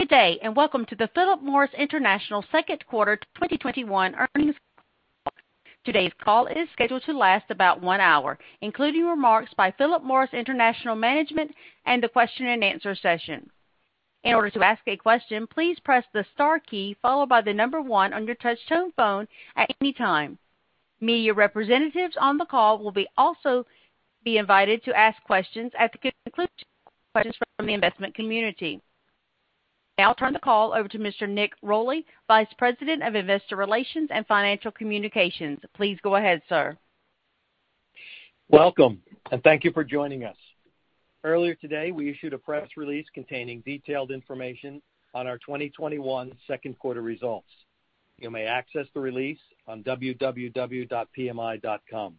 Good day, welcome to the Philip Morris International second quarter 2021 Earnings Call. Today's call is scheduled to last about one hour, including remarks by Philip Morris International Management and the question and answer session. In order to ask a question, please press the star key followed by number one on your touch-tone phone at any time. Media representatives on the call will also be invited to ask questions at the conclusion, questions from the investment community. I'll now turn the call over to Mr. Nick Rolli, Vice President of Investor Relations and Financial Communications. Please go ahead, sir. Welcome, and thank you for joining us. Earlier today, we issued a press release containing detailed information on our 2021 second quarter results. You may access the release on www.pmi.com.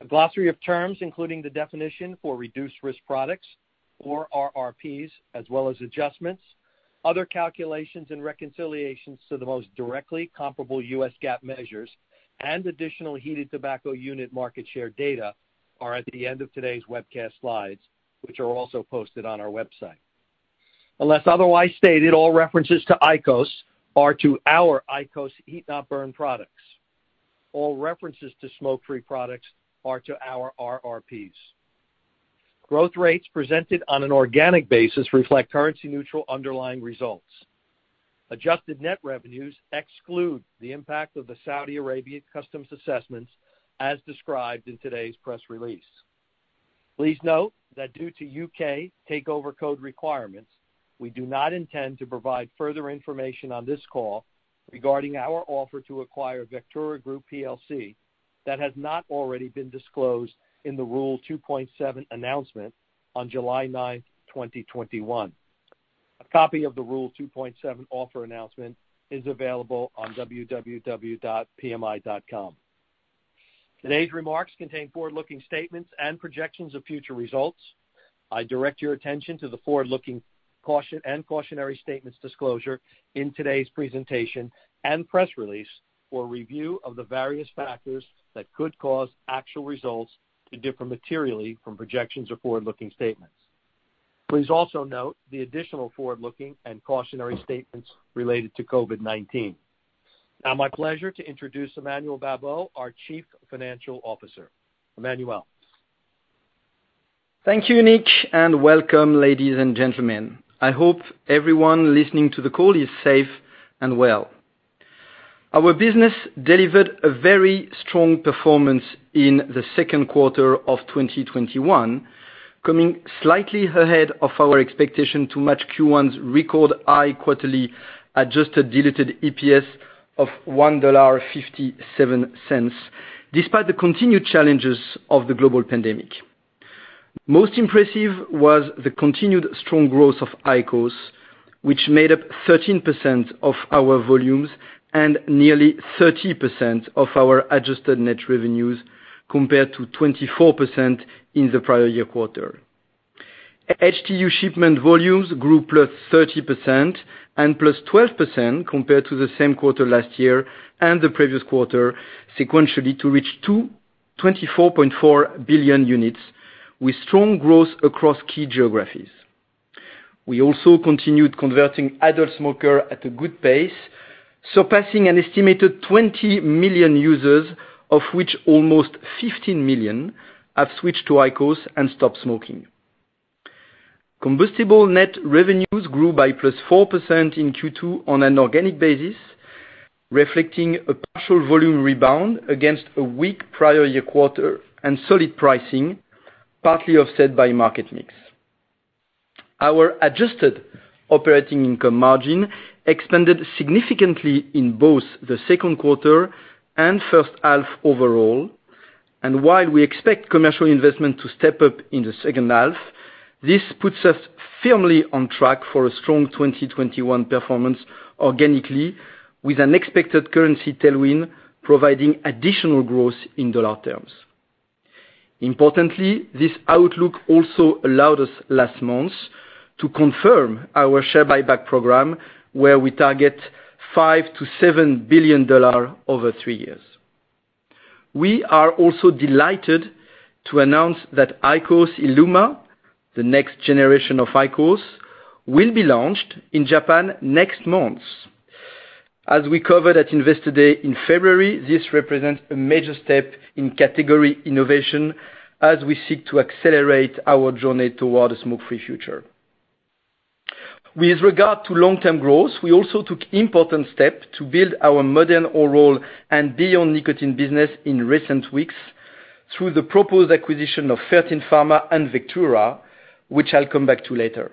A glossary of terms, including the definition for Reduced-Risk Products or RRPs, as well as adjustments, other calculations, and reconciliations to the most directly comparable U.S. GAAP measures and additional heated tobacco unit market share data are at the end of today's webcast slides, which are also posted on our website. Unless otherwise stated, all references to IQOS are to our IQOS heat-not-burn products. All references to smoke-free products are to our RRPs. Growth rates presented on an organic basis reflect currency-neutral underlying results. Adjusted net revenues exclude the impact of the Saudi Arabia customs assessments, as described in today's press release. Please note that due to U.K. Takeover Code requirements, we do not intend to provide further information on this call regarding our offer to acquire Vectura Group plc that has not already been disclosed in the Rule 2.7 Announcement on July 9th, 2021. A copy of the Rule 2.7 Offer Announcement is available on www.pmi.com. Today's remarks contain forward-looking statements and projections of future results. I direct your attention to the forward-looking and cautionary statements disclosure in today's presentation and press release for review of the various factors that could cause actual results to differ materially from projections or forward-looking statements. Please also note the additional forward-looking and cautionary statements related to COVID-19. Now, my pleasure to introduce Emmanuel Babeau, our Chief Financial Officer. Emmanuel. Thank you, Nick, welcome, ladies and gentlemen. I hope everyone listening to the call is safe and well. Our business delivered a very strong performance in the second quarter of 2021, coming slightly ahead of our expectation to match Q1's record high quarterly adjusted diluted EPS of $1.57, despite the continued challenges of the global pandemic. Most impressive was the continued strong growth of IQOS, which made up 13% of our volumes and nearly 30% of our adjusted net revenues, compared to 24% in the prior year quarter. HTU shipment volumes grew +30% and +12% compared to the same quarter last year and the previous quarter sequentially to reach 24.4 billion units with strong growth across key geographies. We also continued converting adult smoker at a good pace, surpassing an estimated 20 million users, of which almost 15 million have switched to IQOS and stopped smoking. Combustible net revenues grew by +4% in Q2 on an organic basis, reflecting a partial volume rebound against a weak prior year quarter and solid pricing, partly offset by market mix. Our adjusted operating income margin expanded significantly in both the second quarter and first half overall. While we expect commercial investment to step up in the second half, this puts us firmly on track for a strong 2021 performance organically, with an expected currency tailwind providing additional growth in dollar terms. Importantly, this outlook also allowed us last month to confirm our share buyback program, where we target $5 billion-$7 billion over three years. We are also delighted to announce that IQOS ILUMA, the next generation of IQOS, will be launched in Japan next month. As we covered at Investor Day in February, this represents a major step in category innovation as we seek to accelerate our journey toward a smoke-free future. With regard to long-term growth, we also took important steps to build our modern oral and beyond nicotine business in recent weeks through the proposed acquisition of Fertin Pharma and Vectura, which I'll come back to later.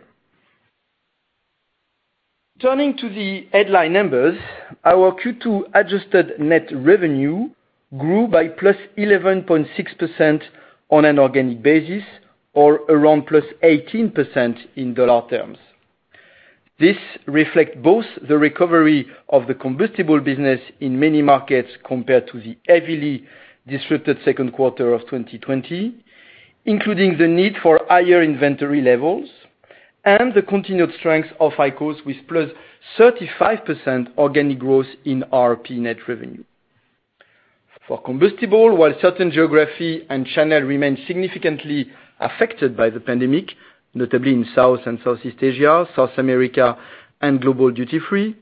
Turning to the headline numbers, our Q2 adjusted net revenue grew by +11.6% on an organic basis, or around +18% in dollar terms. This reflects both the recovery of the combustible business in many markets compared to the heavily disrupted second quarter of 2020, including the need for higher inventory levels, and the continued strength of IQOS with +35% organic growth in RRP net revenue. For combustible, while certain geography and channel remain significantly affected by the pandemic, notably in South and Southeast Asia, South America, and global duty-free,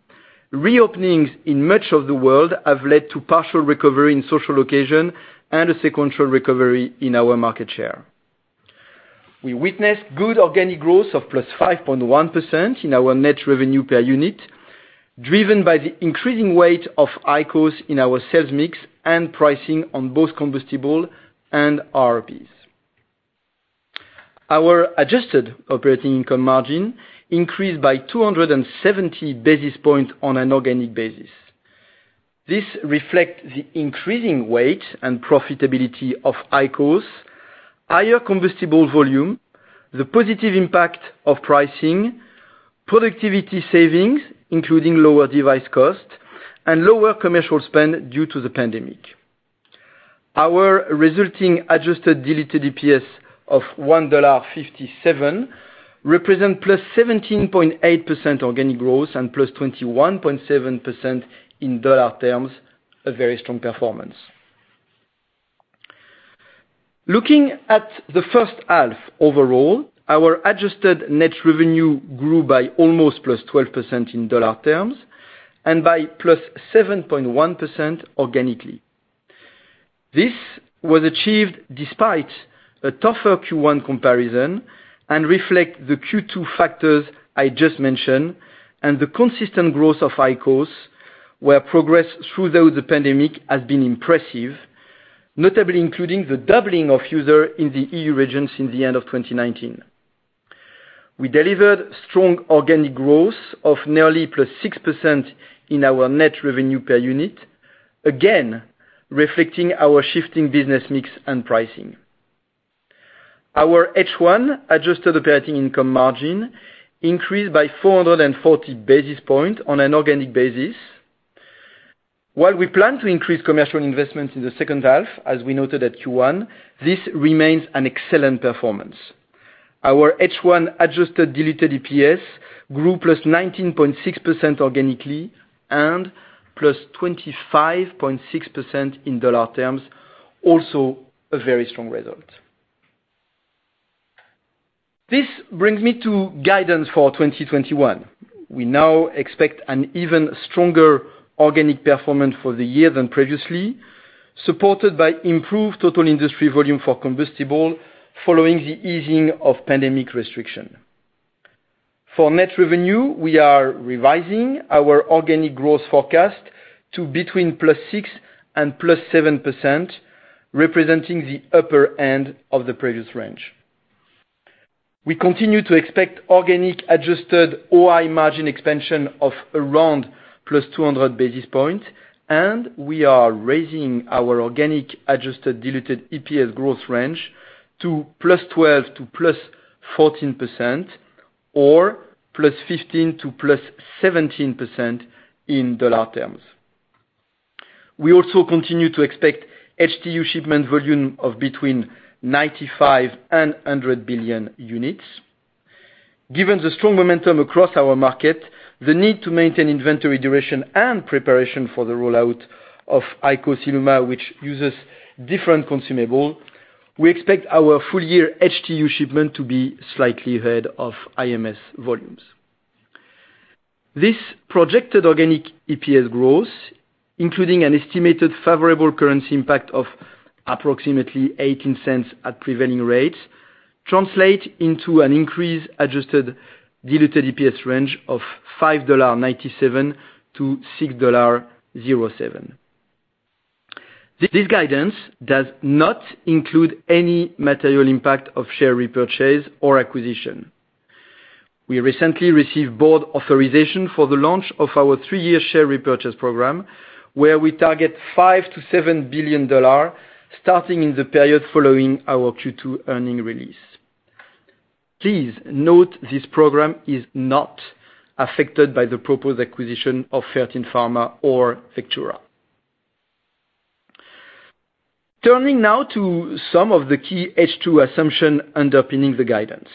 reopenings in much of the world have led to partial recovery in social occasion and a sequential recovery in our market share. We witnessed good organic growth of +5.1% in our net revenue per unit, driven by the increasing weight of IQOS in our sales mix, and pricing on both combustible and RRPs. Our adjusted operating income margin increased by 270 basis points on an organic basis. This reflects the increasing weight and profitability of IQOS, higher combustible volume, the positive impact of pricing, productivity savings, including lower device cost, and lower commercial spend due to the pandemic. Our resulting adjusted diluted EPS of $1.57 represent +17.8% organic growth and +21.7% in dollar terms, a very strong performance. Looking at the first half overall, our adjusted net revenue grew by almost +12% in dollar terms, and by +7.1% organically. This was achieved despite a tougher Q1 comparison, and reflects the Q2 factors I just mentioned, and the consistent growth of IQOS, where progress throughout the pandemic has been impressive. Notably including the doubling of users in the EU region since the end of 2019. We delivered strong organic growth of nearly +6% in our net revenue per unit, again, reflecting our shifting business mix and pricing. Our H1 adjusted operating income margin increased by 440 basis points on an organic basis. While we plan to increase commercial investments in the second half, as we noted at Q1, this remains an excellent performance. Our H1 adjusted diluted EPS grew +19.6% organically, and +25.6% in dollar terms. Also, a very strong result. This brings me to guidance for 2021. We now expect an even stronger organic performance for the year than previously, supported by improved total industry volume for combustible following the easing of pandemic restriction. For net revenue, we are revising our organic growth forecast to between +6% and +7%, representing the upper end of the previous range. We continue to expect organic adjusted OI margin expansion of around +200 basis points, and we are raising our organic adjusted diluted EPS growth range to +12% to +14%, or +15% to +17% in dollar terms. We also continue to expect HTU shipment volume of between 95 and 100 billion units. Given the strong momentum across our market, the need to maintain inventory duration and preparation for the rollout of IQOS ILUMA, which uses different consumables, we expect our full year HTU shipment to be slightly ahead of IMS volumes. This projected organic EPS growth, including an estimated favorable currency impact of approximately $0.18 at prevailing rates, translate into an increased adjusted diluted EPS range of $5.97-$6.07. This guidance does not include any material impact of share repurchase or acquisition. We recently received board authorization for the launch of our three-year share repurchase program, where we target $5 billion-$7 billion, starting in the period following our Q2 earnings release. Please note this program is not affected by the proposed acquisition of Fertin Pharma or Vectura. Turning now to some of the key H2 assumptions underpinning the guidance.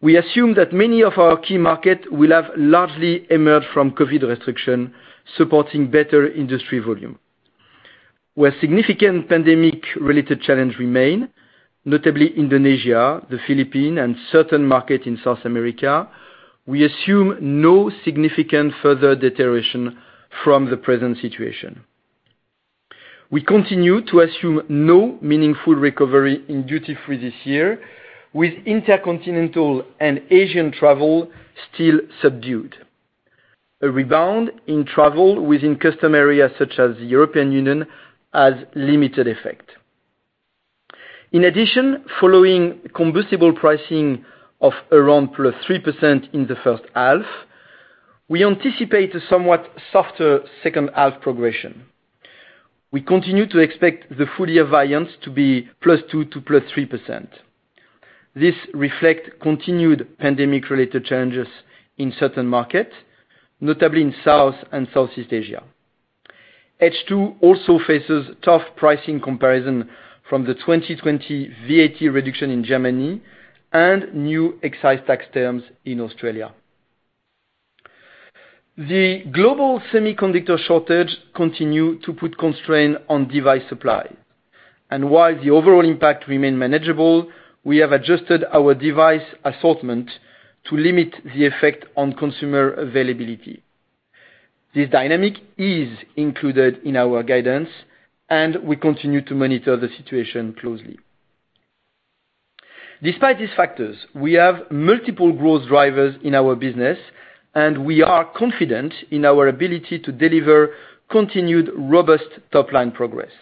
We assume that many of our key markets will have largely emerged from COVID restrictions, supporting better industry volume. Where significant pandemic-related challenges remain, notably Indonesia, the Philippines, and certain markets in South America, we assume no significant further deterioration from the present situation. We continue to assume no meaningful recovery in duty-free this year, with intercontinental and Asian travel still subdued. A rebound in travel within customs areas such as the European Union has limited effect. In addition, following combustible pricing of around +3% in the first half, we anticipate a somewhat softer second half progression. We continue to expect the full-year variance to be +2% to +3%. This reflects continued pandemic-related challenges in certain markets, notably in South and Southeast Asia. H2 also faces tough pricing comparison from the 2020 VAT reduction in Germany and new excise tax terms in Australia. The global semiconductor shortage continue to put constraint on device supply. While the overall impact remain manageable, we have adjusted our device assortment to limit the effect on consumer availability. This dynamic is included in our guidance, and we continue to monitor the situation closely. Despite these factors, we have multiple growth drivers in our business, and we are confident in our ability to deliver continued robust top-line progress.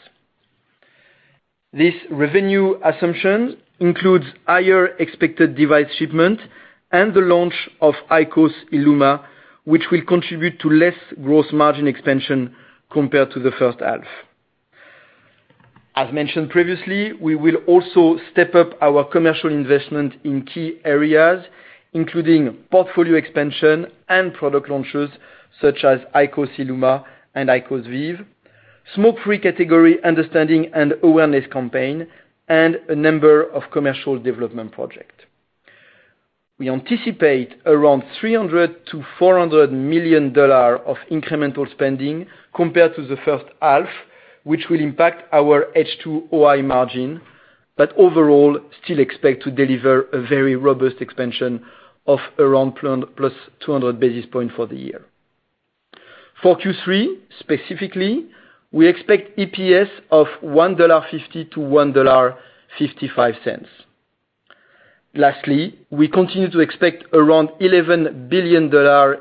This revenue assumption includes higher expected device shipment and the launch of IQOS ILUMA, which will contribute to less gross margin expansion compared to the first half. As mentioned previously, we will also step up our commercial investment in key areas, including portfolio expansion and product launches, such as IQOS ILUMA and IQOS VEEV, smoke-free category understanding and awareness campaign, and a number of commercial development projects. We anticipate around $300 million-$400 million of incremental spending compared to the first half, which will impact our H2 OI margin, but overall, still expect to deliver a very robust expansion of around +200 basis points for the year. For Q3, specifically, we expect EPS of $1.50-$1.55. Lastly, we continue to expect around $11 billion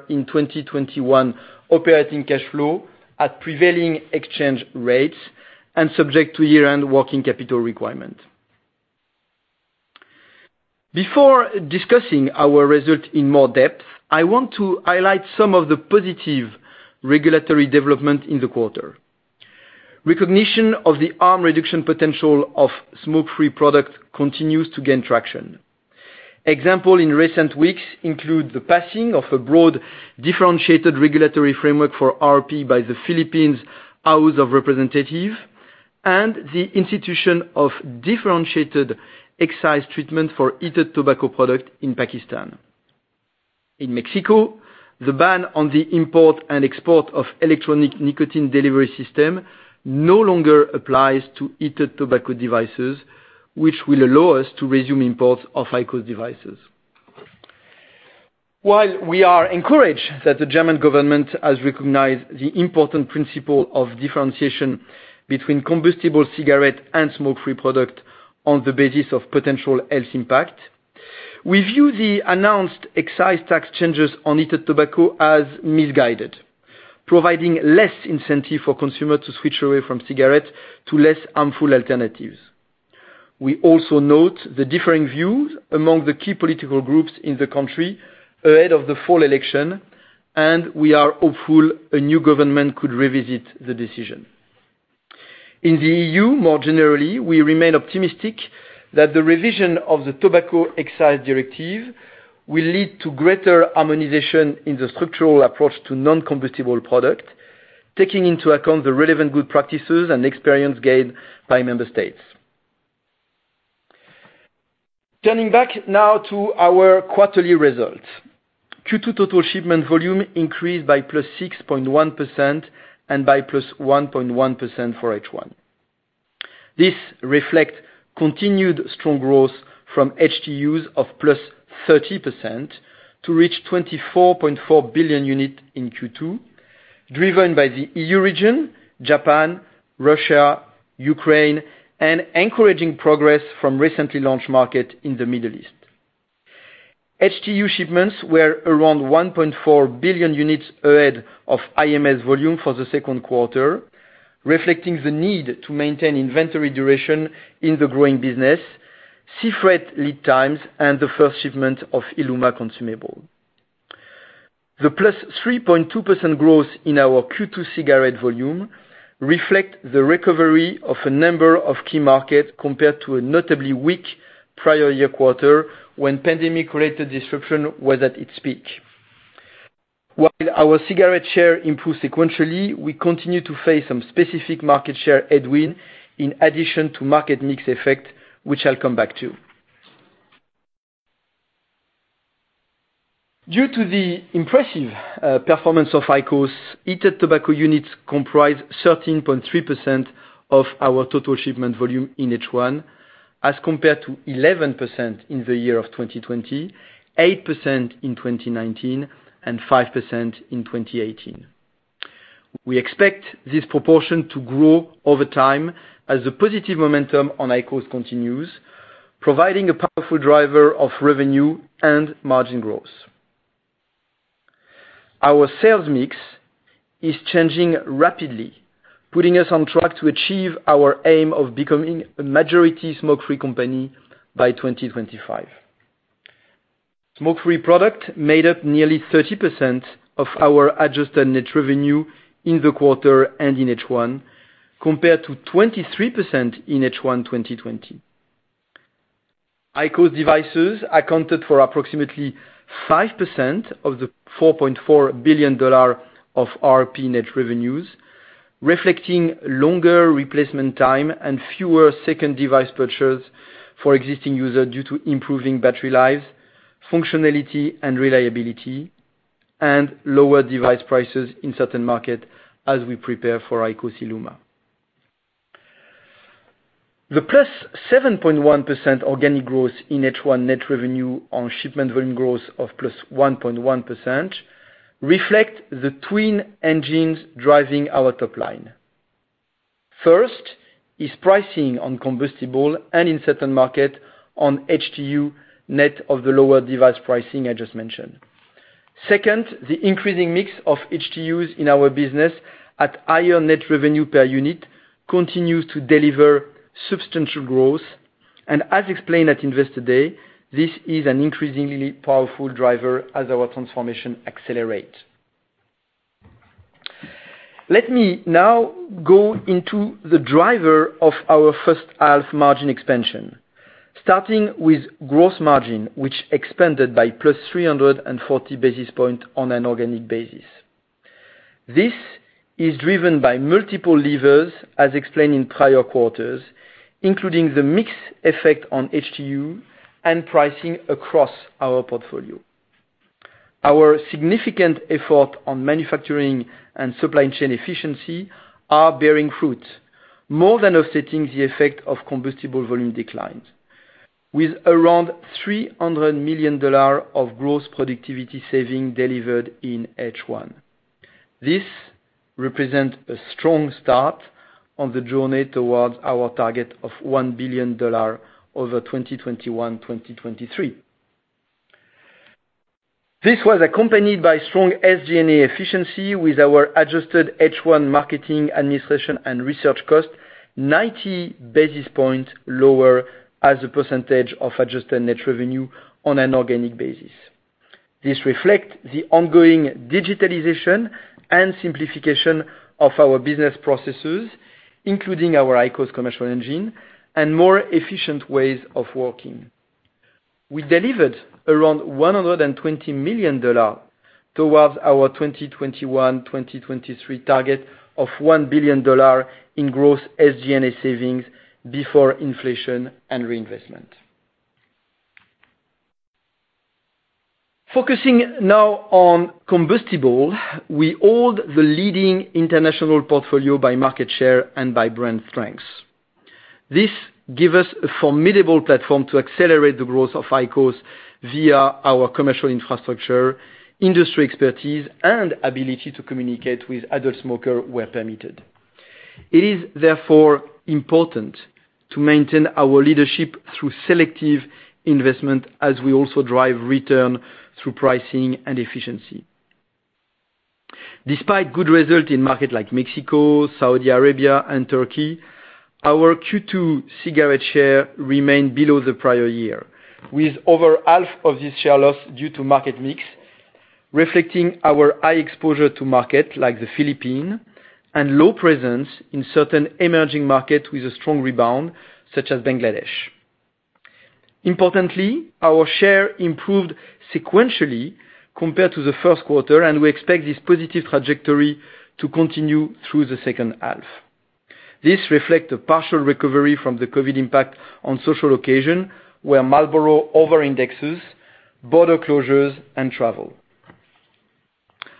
in 2021 operating cash flow at prevailing exchange rates and subject to year-end working capital requirements. Before discussing our results in more depth, I want to highlight some of the positive regulatory developments in the quarter. Recognition of the harm reduction potential of smoke-free products continues to gain traction. Examples in recent weeks include the passing of a broad differentiated regulatory framework for RRPs by the House of Representatives of the Philippines and the Institution of Differentiated Excise Treatment for Heated Tobacco Products in Pakistan. In Mexico, the ban on the import and export of electronic nicotine delivery systems no longer applies to heated tobacco devices, which will allow us to resume imports of IQOS devices. While we are encouraged that the German government has recognized the important principle of differentiation between combustible cigarette and smoke-free product on the basis of potential health impact, we view the announced excise tax changes on heated tobacco as misguided, providing less incentive for consumer to switch away from cigarette to less harmful alternatives. We also note the differing views among the key political groups in the country ahead of the fall election, and we are hopeful a new government could revisit the decision. In the EU, more generally, we remain optimistic that the revision of the tobacco excise directive will lead to greater harmonization in the structural approach to non-combustible product, taking into account the relevant good practices and experience gained by member states. Turning back now to our quarterly results. Q2 total shipment volume increased by +6.1% and by +1.1% for H1. This reflect continued strong growth from HTUs of +30% to reach 24.4 billion units in Q2, driven by the EU region, Japan, Russia, Ukraine, and encouraging progress from recently launched markets in the Middle East. HTU shipments were around 1.4 billion units ahead of IMS volume for the second quarter, reflecting the need to maintain inventory duration in the growing business, sea freight lead times, and the first shipment of ILUMA consumables. The +3.2% growth in our Q2 cigarette volume reflect the recovery of a number of key markets compared to a notably weak prior year quarter when pandemic-related disruption was at its peak. While our cigarette share improved sequentially, we continue to face some specific market share headwinds in addition to market mix effect, which I'll come back to. Due to the impressive performance of IQOS, heated tobacco units comprise 13.3% of our total shipment volume in H1, as compared to 11% in 2020, 8% in 2019, and 5% in 2018. We expect this proportion to grow over time as the positive momentum on IQOS continues, providing a powerful driver of revenue and margin growth. Our sales mix is changing rapidly, putting us on track to achieve our aim of becoming a majority smoke-free company by 2025. Smoke-free product made up nearly 30% of our adjusted net revenue in the quarter and in H1, compared to 23% in H1 2020. IQOS devices accounted for approximately 5% of the $4.4 billion of RRP net revenues. Reflecting longer replacement time and fewer second device purchases for existing users due to improving battery life, functionality, and reliability, and lower device prices in certain markets as we prepare for IQOS ILUMA. The +7.1% organic growth in H1 net revenue on shipment volume growth of +1.1% reflect the twin engines driving our top line. First is pricing on combustible and in certain markets on HTU net of the lower device pricing I just mentioned. Second, the increasing mix of HTUs in our business at higher net revenue per unit continues to deliver substantial growth. As explained at Investor Day, this is an increasingly powerful driver as our transformation accelerates. Let me now go into the driver of our first half margin expansion, starting with gross margin, which expanded by +340 basis points on an organic basis. This is driven by multiple levers, as explained in prior quarters, including the mix effect on HTU and pricing across our portfolio. Our significant effort on manufacturing and supply chain efficiency are bearing fruit, more than offsetting the effect of combustible volume declines, with around $300 million of gross productivity saving delivered in H1. This represents a strong start on the journey towards our target of $1 billion over 2021-2023. This was accompanied by strong SGA efficiency with our adjusted H1 marketing, administration, and research cost 90 basis points lower as a percentage of adjusted net revenue on an organic basis. This reflects the ongoing digitalization and simplification of our business processes, including our IQOS commercial engine and more efficient ways of working. We delivered around $120 million towards our 2021-2023 target of $1 billion in gross SG&A savings before inflation and reinvestment. Focusing now on combustible, we hold the leading international portfolio by market share and by brand strengths. This gives us a formidable platform to accelerate the growth of IQOS via our commercial infrastructure, industry expertise, and ability to communicate with adult smokers where permitted. It is therefore important to maintain our leadership through selective investment as we also drive return through pricing and efficiency. Despite good results in markets like Mexico, Saudi Arabia, and Turkey, our Q2 cigarette share remained below the prior year, with over half of this share loss due to market mix, reflecting our high exposure to markets like the Philippines and low presence in certain emerging markets with a strong rebound, such as Bangladesh. Importantly, our share improved sequentially compared to the first quarter, and we expect this positive trajectory to continue through the second half. This reflects a partial recovery from the COVID impact on social occasions, where Marlboro overindexes border closures and travel.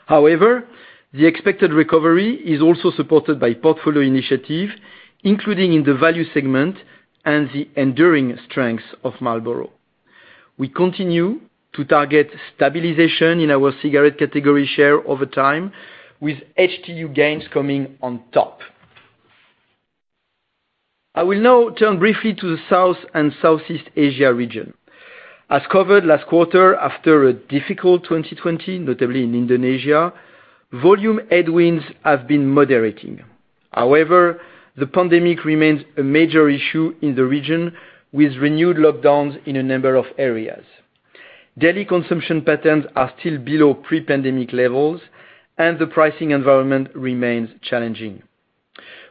However, the expected recovery is also supported by portfolio initiatives, including in the value segment and the enduring strength of Marlboro. We continue to target stabilization in our cigarette category share over time, with HTU gains coming on top. I will now turn briefly to the South and Southeast Asia region. As covered last quarter, after a difficult 2020, notably in Indonesia, volume headwinds have been moderating. However, the pandemic remains a major issue in the region, with renewed lockdowns in a number of areas. Daily consumption patterns are still below pre-pandemic levels, and the pricing environment remains challenging.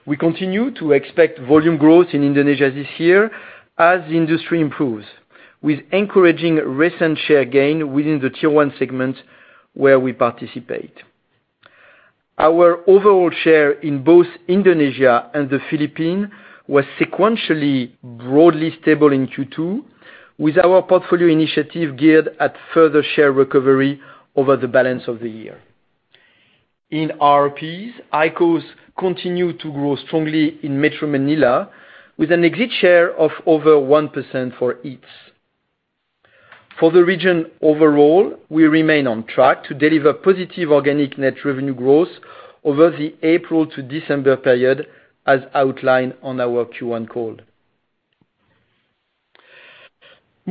We continue to expect volume growth in Indonesia this year as the industry improves, with encouraging recent share gain within the Tier 1 segment where we participate. Our overall share in both Indonesia and the Philippines was sequentially broadly stable in Q2, with our portfolio initiative geared at further share recovery over the balance of the year. In RRPs, IQOS continue to grow strongly in Metro Manila with an exit share of over 1% for HEETS. For the region overall, we remain on track to deliver positive organic net revenue growth over the April to December period as outlined on our Q1 call.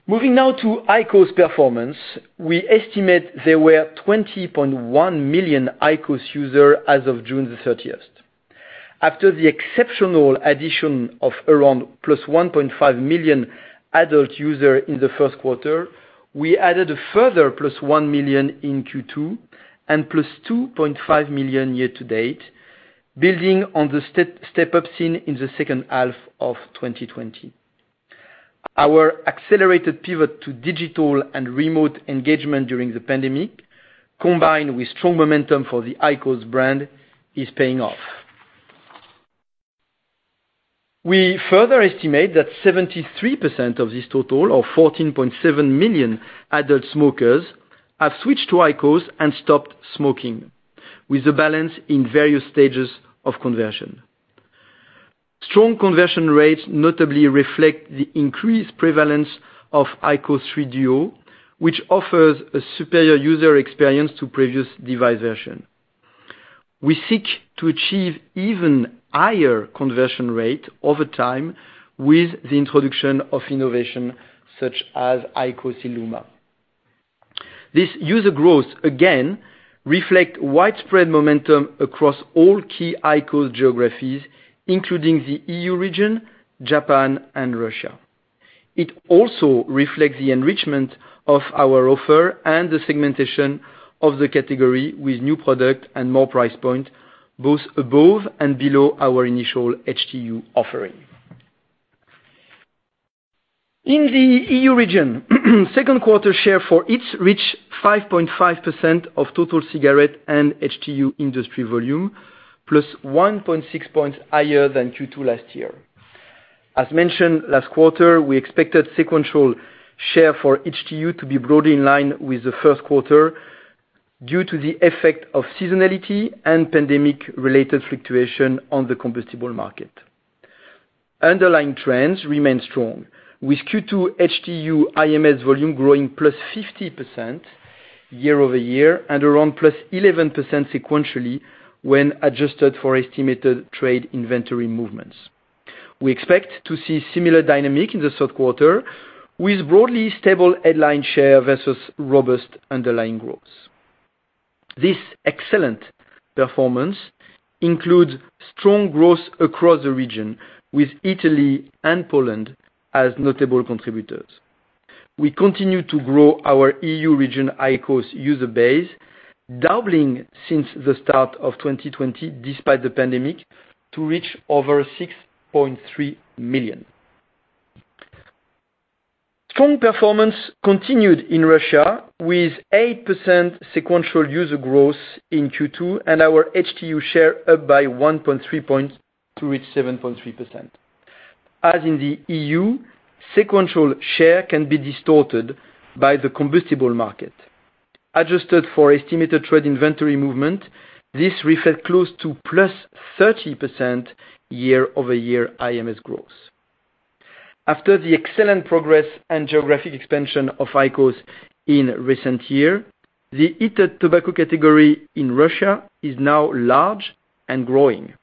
Moving now to IQOS performance. We estimate there were 20.1 million IQOS users as of June 30th. After the exceptional addition of around +1.5 million adult users in the first quarter, we added a further plus one million in Q2 and +2.5 million year to date, building on the step-up seen in the second half of 2020. Our accelerated pivot to digital and remote engagement during the pandemic, combined with strong momentum for the IQOS brand, is paying off. We further estimate that 73% of this total, or 14.7 million adult smokers, have switched to IQOS and stopped smoking, with the balance in various stages of conversion. Strong conversion rates notably reflect the increased prevalence of IQOS 3 DUO, which offers a superior user experience to previous device versions. We seek to achieve even higher conversion rate over time with the introduction of innovation such as IQOS ILUMA. This user growth, again, reflect widespread momentum across all key IQOS geographies, including the EU region, Japan, and Russia. It also reflects the enrichment of our offer and the segmentation of the category with new product and more price point, both above and below our initial HTU offering. In the EU region, second quarter share for heat reached 5.5% of total cigarette and HTU industry volume, plus 1.6 points higher than Q2 last year. As mentioned last quarter, we expected sequential share for HTU to be broadly in line with the first quarter due to the effect of seasonality and pandemic-related fluctuation on the combustible market. Underlying trends remain strong, with Q2 HTU IMS volume growing plus 50% year-over-year and around plus 11% sequentially when adjusted for estimated trade inventory movements. We expect to see similar dynamic in the third quarter with broadly stable headline share versus robust underlying growth. This excellent performance includes strong growth across the region with Italy and Poland as notable contributors. We continue to grow our EU region IQOS user base, doubling since the start of 2020 despite the pandemic to reach over 6.3 million. Strong performance continued in Russia with 8% sequential user growth in Q2 and our HTU share up by 1.3 points to reach 7.3%. As in the EU, sequential share can be distorted by the combustible market. Adjusted for estimated trade inventory movement, this reflects close to plus 30% year-over-year IMS growth. After the excellent progress and geographic expansion of IQOS in recent year, the heated tobacco category in Russia is now large and growing.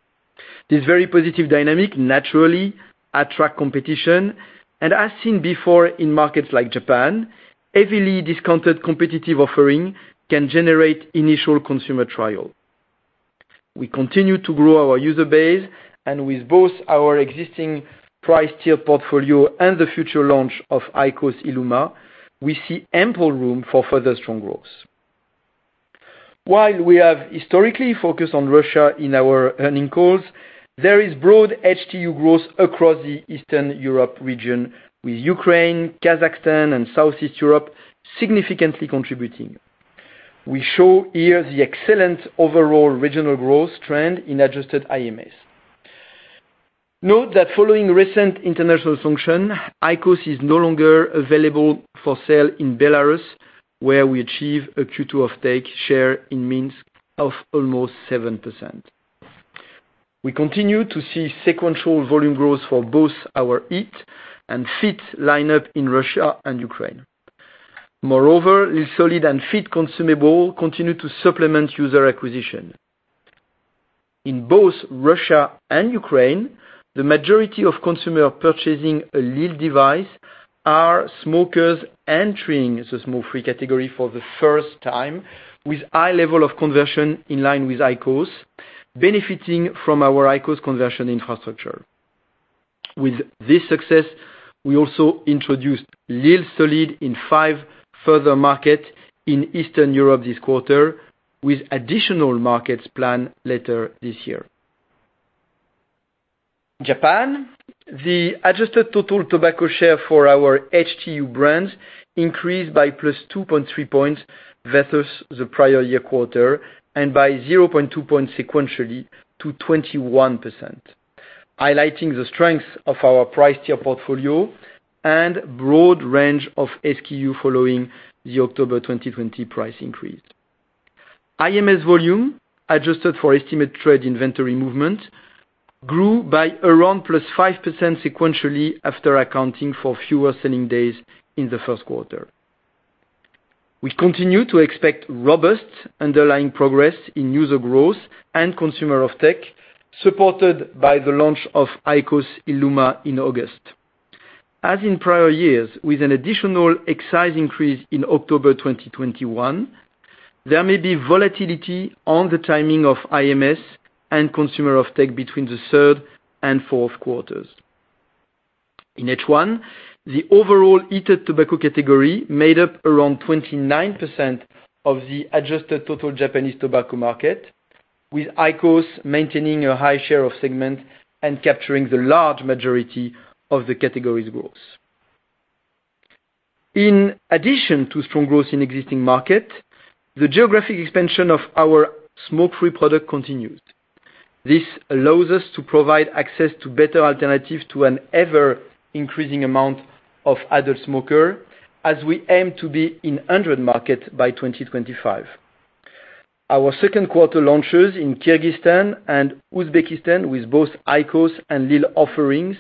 This very positive dynamic naturally attracts competition and, as seen before in markets like Japan, heavily discounted competitive offering can generate initial consumer trial. We continue to grow our user base, and with both our existing price tier portfolio and the future launch of IQOS ILUMA, we see ample room for further strong growth. While we have historically focused on Russia in our earning calls, there is broad HTU growth across the Eastern Europe region with Ukraine, Kazakhstan, and Southeast Europe significantly contributing. We show here the excellent overall regional growth trend in adjusted IMS. Note that following recent international sanction, IQOS is no longer available for sale in Belarus, where we achieve a Q2 offtake share in Minsk of almost 7%. We continue to see sequential volume growth for both our HEETS and Fiit lineup in Russia and Ukraine. lil SOLID and Fiit consumable continue to supplement user acquisition. In both Russia and Ukraine, the majority of consumer purchasing a lil device are smokers entering the smoke-free category for the first time with high level of conversion in line with IQOS, benefiting from our IQOS conversion infrastructure. With this success, we also introduced lil SOLID in five further markets in Eastern Europe this quarter with additional markets planned later this year. Japan, the adjusted total tobacco share for our HTU brands increased by +2.3 points versus the prior year quarter and by 0.2 points sequentially to 21%, highlighting the strength of our price tier portfolio and broad range of SKU following the October 2020 price increase. IMS volume, adjusted for estimated trade inventory movement, grew by around +5% sequentially after accounting for fewer selling days in the first quarter. We continue to expect robust underlying progress in user growth and consumer offtake, supported by the launch of IQOS ILUMA in August. As in prior years, with an additional excise increase in October 2021, there may be volatility on the timing of IMS and consumer offtake between the third and fourth quarters. In H1, the overall heated tobacco category made up around 29% of the adjusted total Japanese tobacco market. With IQOS maintaining a high share of segment and capturing the large majority of the category's growth. In addition to strong growth in existing markets, the geographic expansion of our smoke-free product continues. This allows us to provide access to better alternatives to an ever-increasing amount of adult smokers, as we aim to be in 100 markets by 2025. Our second quarter launches in Kyrgyzstan and Uzbekistan with both IQOS and lil offerings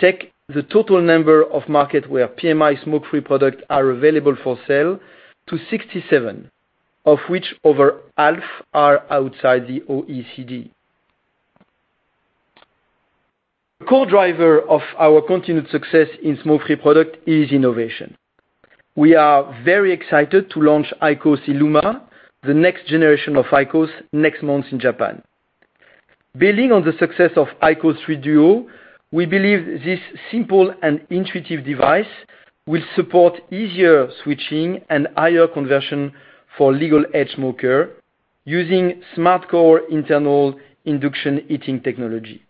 take the total number of markets where PMI smoke-free products are available for sale to 67, of which over half are outside the OECD. A core driver of our continued success in smoke-free products is innovation. We are very excited to launch IQOS ILUMA, the next generation of IQOS, next month in Japan. Building on the success of IQOS 3 DUO, we believe this simple and intuitive device will support easier switching and higher conversion for legal age smokers using SMARTCORE INDUCTION SYSTEM.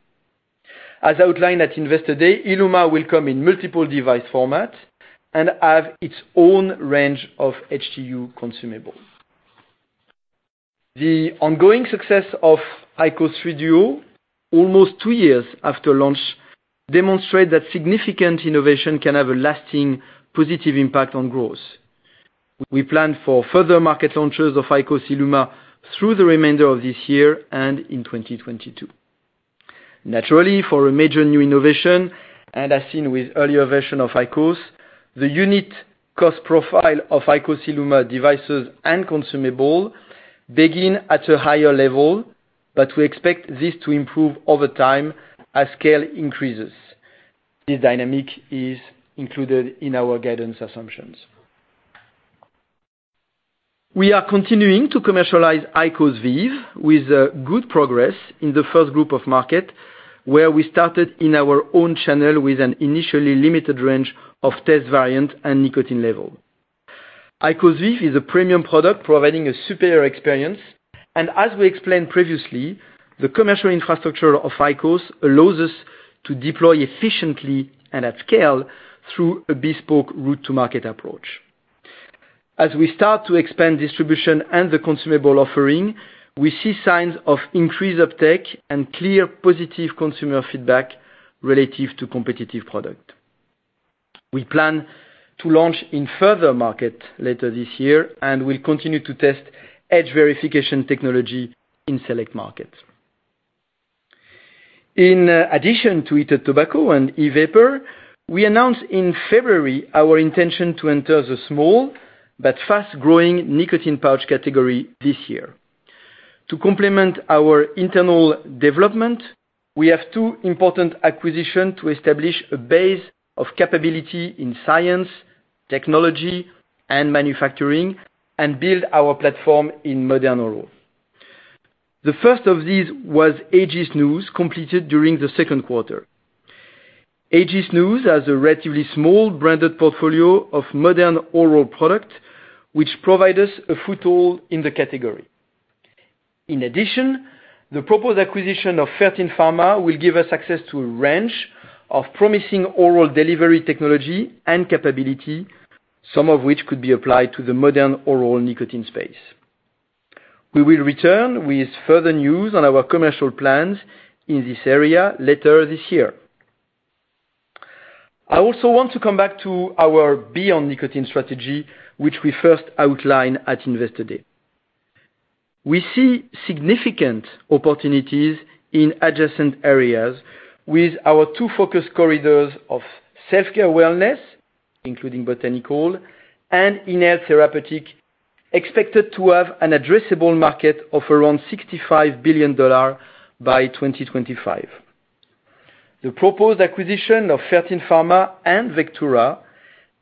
As outlined at Investor Day, ILUMA will come in multiple device formats and have its own range of HTU consumables. The ongoing success of IQOS 3 DUO almost two years after launch demonstrates that significant innovation can have a lasting positive impact on growth. We plan for further market launches of IQOS ILUMA through the remainder of this year and in 2022. Naturally, for a major new innovation, and as seen with earlier versions of IQOS, the unit cost profile of IQOS ILUMA devices and consumables begin at a higher level, but we expect this to improve over time as scale increases. This dynamic is included in our guidance assumptions. We are continuing to commercialize IQOS VEEV with good progress in the first group of markets, where we started in our own channel with an initially limited range of test variants and nicotine levels. IQOS VEEV is a premium product providing a superior experience. As we explained previously, the commercial infrastructure of IQOS allows us to deploy efficiently and at scale through a bespoke route to market approach. We start to expand distribution and the consumable offering, we see signs of increased uptake and clear positive consumer feedback relative to competitive products. We plan to launch in further markets later this year and will continue to test age verification technology in select markets. In addition to heated tobacco and e-vapor, we announced in February our intention to enter the small but fast-growing nicotine pouch category this year. To complement our internal development, we have two important acquisitions to establish a base of capability in science, technology, and manufacturing and build our platform in modern oral. The first of these was AG Snus, completed during the second quarter. AG Snus has a relatively small branded portfolio of modern oral products, which provide us a foothold in the category. In addition, the proposed acquisition of Fertin Pharma will give us access to a range of promising oral delivery technology and capability, some of which could be applied to the modern oral nicotine space. We will return with further news on our commercial plans in this area later this year. I also want to come back to our beyond nicotine strategy, which we first outlined at Investor Day. We see significant opportunities in adjacent areas with our two focus corridors of self-care wellness, including botanical and inhaled therapeutic, expected to have an addressable market of around $65 billion by 2025. The proposed acquisition of Fertin Pharma and Vectura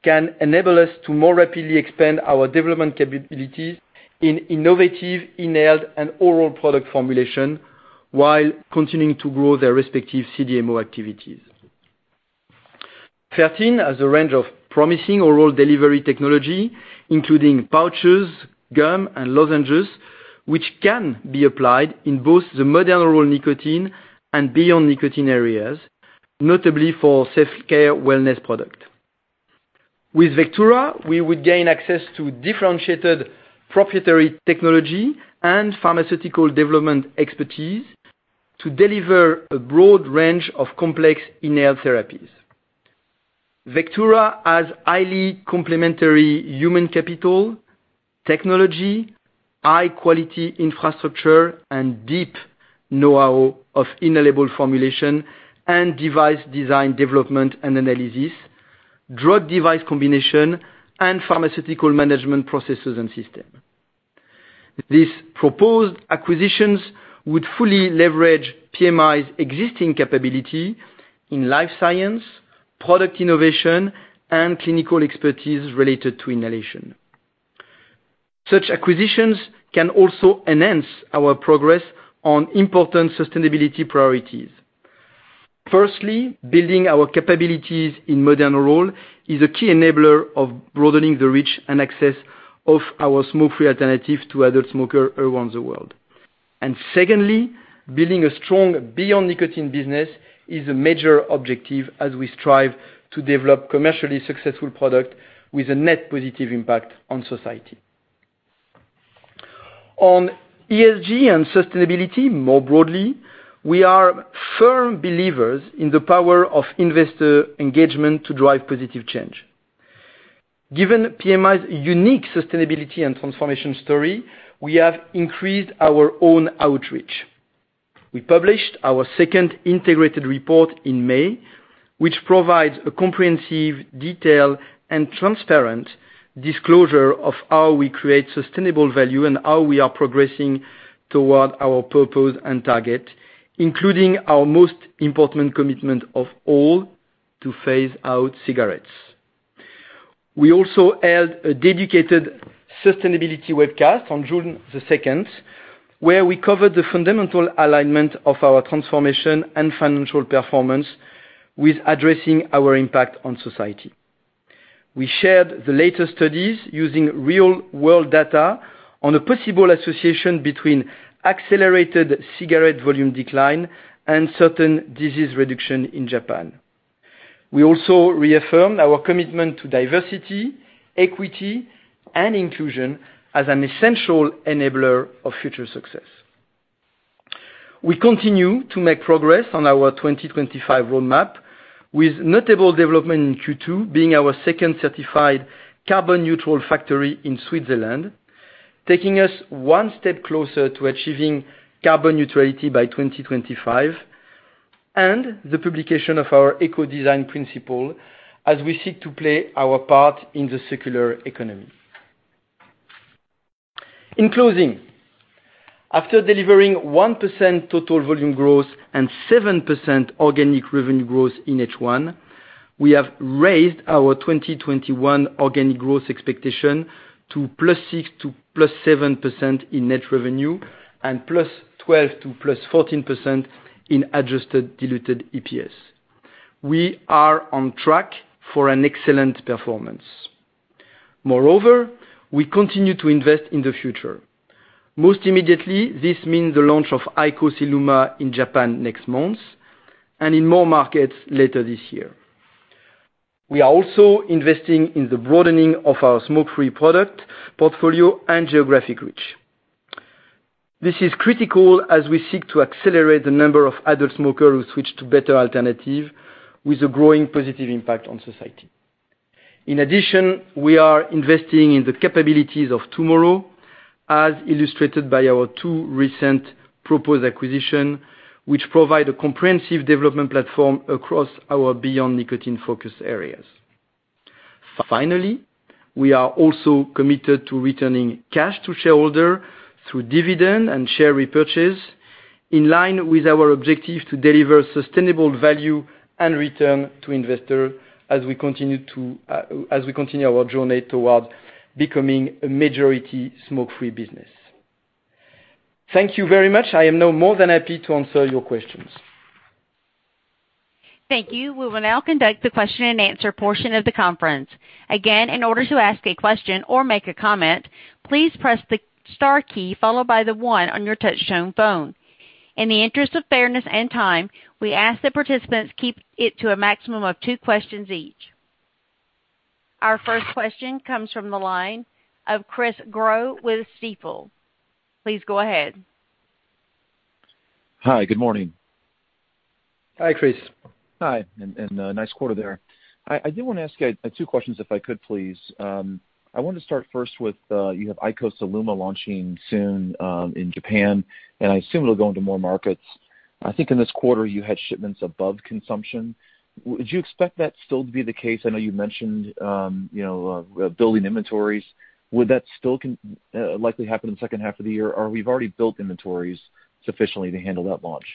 can enable us to more rapidly expand our development capabilities in innovative inhaled and oral product formulation while continuing to grow their respective CDMO activities. Fertin has a range of promising oral delivery technology, including pouches, gum, and lozenges, which can be applied in both the modern oral nicotine and beyond nicotine areas, notably for self-care wellness products. With Vectura, we would gain access to differentiated proprietary technology and pharmaceutical development expertise to deliver a broad range of complex inhaled therapies. Vectura has highly complementary human capital, technology, high-quality infrastructure, and deep know-how of inhalable formulation and device design, development, and analysis, drug device combination, and pharmaceutical management processes and systems. These proposed acquisitions would fully leverage PMI's existing capability in life science, product innovation, and clinical expertise related to inhalation. Such acquisitions can also enhance our progress on important sustainability priorities. Firstly, building our capabilities in modern oral is a key enabler of broadening the reach and access of our smoke-free alternative to adult smoker around the world. Secondly, building a strong beyond nicotine business is a major objective as we strive to develop commercially successful product with a net positive impact on society. On ESG and sustainability more broadly, we are firm believers in the power of investor engagement to drive positive change. Given PMI's unique sustainability and transformation story, we have increased our own outreach. We published our second integrated report in May, which provides a comprehensive detail and transparent disclosure of how we create sustainable value and how we are progressing toward our purpose and target, including our most important commitment of all, to phase out cigarettes. We also held a dedicated sustainability webcast on June 2nd, where we covered the fundamental alignment of our transformation and financial performance with addressing our impact on society. We shared the latest studies using real-world data on a possible association between accelerated cigarette volume decline and certain disease reduction in Japan. We also reaffirmed our commitment to diversity, equity, and inclusion as an essential enabler of future success. We continue to make progress on our 2025 roadmap, with notable development in Q2 being our second certified carbon neutral factory in Switzerland, taking us one step closer to achieving carbon neutrality by 2025, and the publication of our eco-design principle as we seek to play our part in the circular economy. In closing, after delivering 1% total volume growth and 7% organic revenue growth in H1, we have raised our 2021 organic growth expectation to +6% to +7% in net revenue and +12% to +14% in adjusted diluted EPS. We are on track for an excellent performance. Moreover, we continue to invest in the future. Most immediately, this means the launch of IQOS ILUMA in Japan next month and in more markets later this year. We are also investing in the broadening of our smoke-free product portfolio and geographic reach. This is critical as we seek to accelerate the number of adult smokers who switch to better alternative with a growing positive impact on society. In addition, we are investing in the capabilities of tomorrow, as illustrated by our two recent proposed acquisition, which provide a comprehensive development platform across our beyond nicotine focus areas. Finally, we are also committed to returning cash to shareholder through dividend and share repurchase in line with our objective to deliver sustainable value and return to investor as we continue our journey towards becoming a majority smoke-free business. Thank you very much. I am now more than happy to answer your questions. Thank you. We will now conduct the question and answer portion of the conference. Again, in order to ask a question or make a comment, please press the star key followed by the one on your touch tone phone. In the interest of fairness and time, we ask that participants keep it to a maximum of two questions each. Our first question comes from the line of Chris Growe with Stifel. Please go ahead. Hi. Good morning. Hi, Chris. Hi, nice quarter there. I do want to ask two questions, if I could please. I want to start first with, you have IQOS ILUMA launching soon in Japan, and I assume it'll go into more markets. I think in this quarter, you had shipments above consumption. Would you expect that still to be the case? I know you mentioned building inventories. Would that still likely happen in the second half of the year, or we've already built inventories sufficiently to handle that launch?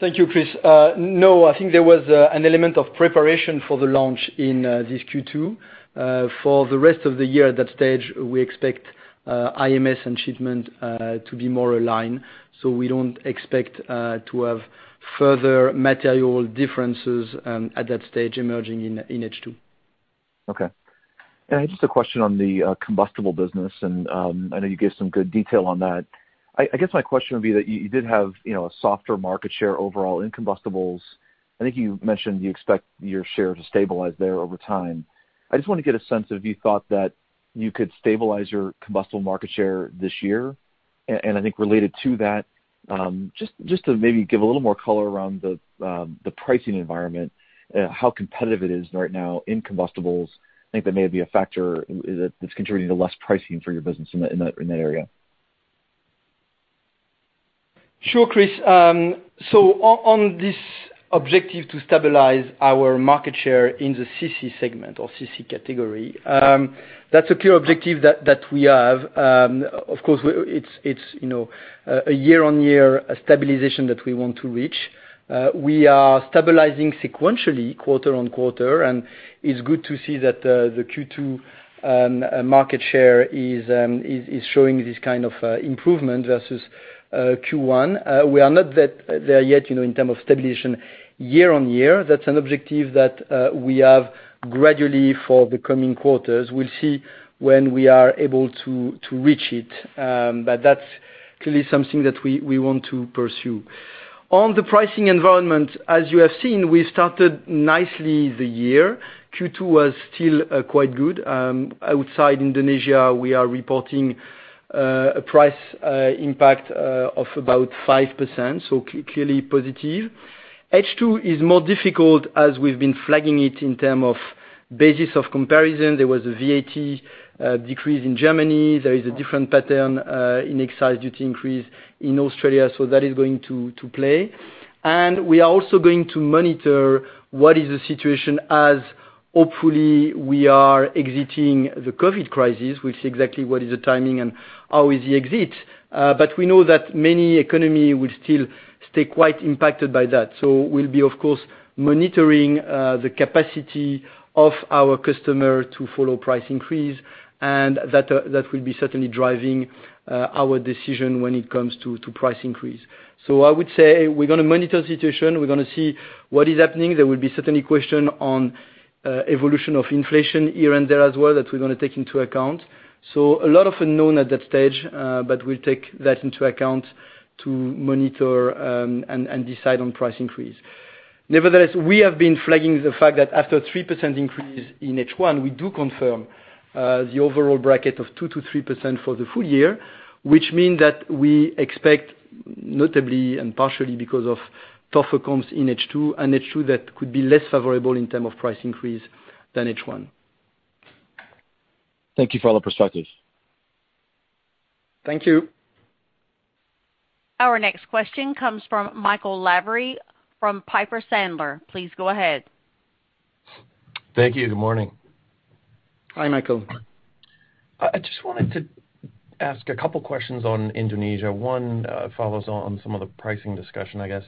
Thank you, Chris. No, I think there was an element of preparation for the launch in this Q2. For the rest of the year, at that stage, we expect IMS and shipment to be more aligned. We don't expect to have further material differences, at that stage, emerging in H2. Okay. Just a question on the combustible business, and I know you gave some good detail on that. I guess my question would be that you did have a softer market share overall in combustibles. I think you mentioned you expect your share to stabilize there over time. I just want to get a sense of, you thought that you could stabilize your combustible market share this year? I think related to that, just to maybe give a little more color around the pricing environment, how competitive it is right now in combustibles. I think that may be a factor that's contributing to less pricing for your business in that area. Sure, Chris. On this objective to stabilize our market share in the CC segment or CC category, that's a clear objective that we have. Of course, it's a year-on-year stabilization that we want to reach. We are stabilizing sequentially quarter-on-quarter, and it's good to see that the Q2 market share is showing this kind of improvement versus Q1. We are not there yet in terms of stabilization year-on-year. That's an objective that we have gradually for the coming quarters. We'll see when we are able to reach it. That's clearly something that we want to pursue. On the pricing environment, as you have seen, we started nicely the year. Q2 was still quite good. Outside Indonesia, we are reporting a price impact of about 5%, so clearly positive. H2 is more difficult, as we've been flagging it in terms of basis of comparison. There was a VAT decrease in Germany. There is a different pattern in excise duty increase in Australia, so that is going to play. We are also going to monitor what is the situation as, hopefully, we are exiting the COVID crisis. We'll see exactly what is the timing and how is the exit. We know that many economy will still stay quite impacted by that. We'll be, of course, monitoring the capacity of our customer to follow price increase, and that will be certainly driving our decision when it comes to price increase. I would say we're going to monitor the situation. We're going to see what is happening. There will be certainly question on evolution of inflation here and there as well that we're going to take into account. A lot of unknown at that stage, but we'll take that into account to monitor and decide on price increase. Nevertheless, we have been flagging the fact that after 3% increase in H1, we do confirm the overall bracket of 2%-3% for the full year, which mean that we expect notably and partially because of tougher comps in H2, an H2 that could be less favorable in term of price increase than H1. Thank you for all the perspectives. Thank you. Our next question comes from Michael Lavery from Piper Sandler. Please go ahead. Thank you. Good morning. Hi, Michael. I just wanted to ask a couple questions on Indonesia. One follows on some of the pricing discussion, I guess.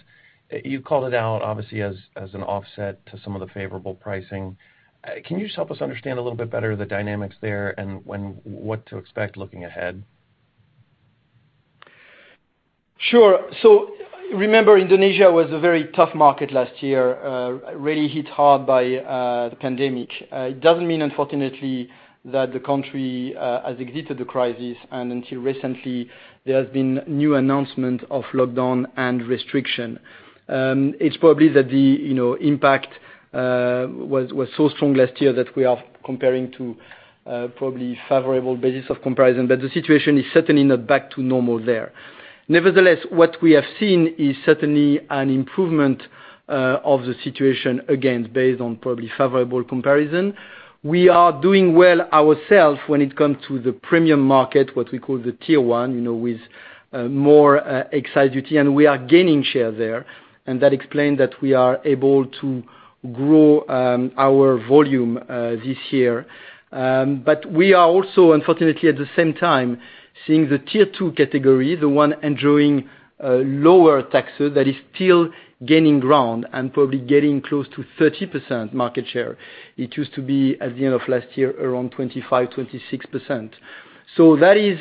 You called it out obviously as an offset to some of the favorable pricing. Can you just help us understand a little bit better the dynamics there and what to expect looking ahead? Remember, Indonesia was a very tough market last year, really hit hard by the pandemic. It doesn't mean, unfortunately, that the country has exited the crisis, and until recently, there has been new announcement of lockdown and restriction. It's probably that the impact was so strong last year that we are comparing to probably favorable basis of comparison. The situation is certainly not back to normal there. Nevertheless, what we have seen is certainly an improvement of the situation, again, based on probably favorable comparison. We are doing well ourself when it comes to the premium market, what we call the Tier 1, with more excise duty, and we are gaining share there. That explained that we are able to grow our volume this year. We are also, unfortunately, at the same time, seeing the Tier 2 category, the one enjoying lower taxes, that is still gaining ground and probably getting close to 30% market share. It used to be, at the end of last year, around 25%, 26%. That is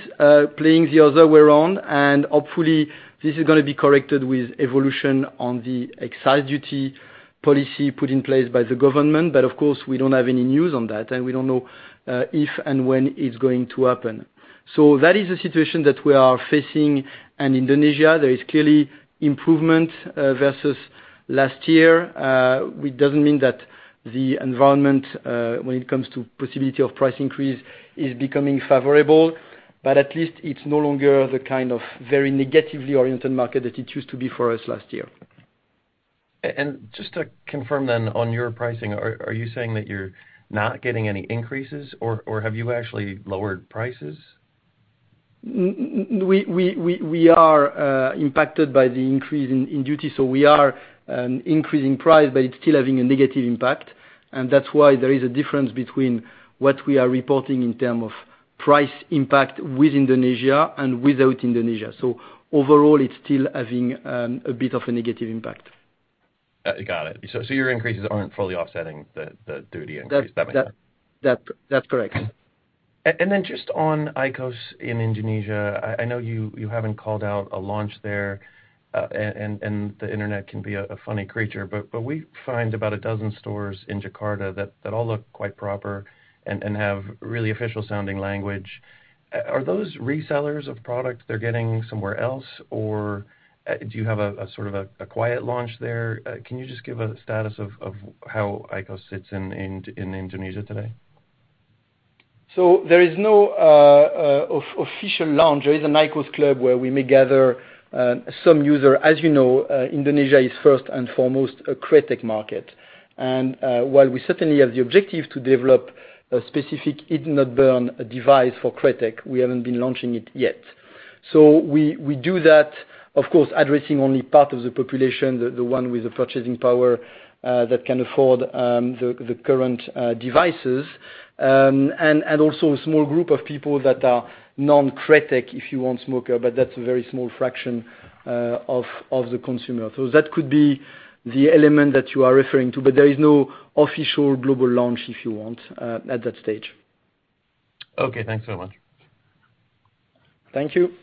playing the other way around, and hopefully, this is going to be corrected with evolution on the excise duty policy put in place by the government. Of course, we don't have any news on that, and we don't know if and when it's going to happen. That is the situation that we are facing in Indonesia. There is clearly improvement versus last year. It doesn't mean that the environment, when it comes to possibility of price increase, is becoming favorable, but at least it's no longer the kind of very negatively oriented market that it used to be for us last year. Just to confirm then on your pricing, are you saying that you're not getting any increases or have you actually lowered prices? We are impacted by the increase in duty, so we are increasing price, but it's still having a negative impact, and that's why there is a difference between what we are reporting in terms of price impact with Indonesia and without Indonesia. Overall, it's still having a bit of a negative impact. Got it. Your increases aren't fully offsetting the duty increase. That makes sense. That's correct. Just on IQOS in Indonesia, I know you haven't called out a launch there, the internet can be a funny creature, but we find about 12 stores in Jakarta that all look quite proper and have really official-sounding language. Are those resellers of product they're getting somewhere else, or do you have a sort of a quiet launch there? Can you just give a status of how IQOS sits in Indonesia today? There is no official launch. There is an IQOS club where we may gather some user. As you know, Indonesia is first and foremost a Kretek market. While we certainly have the objective to develop a specific heat-not-burn device for Kretek, we haven't been launching it yet. We do that, of course, addressing only part of the population, the one with the purchasing power that can afford the current devices. Also a small group of people that are non-Kretek, if you want, smoker, but that's a very small fraction of the consumer. That could be the element that you are referring to. There is no official global launch, if you want, at that stage. Okay, thanks so much. Thank you.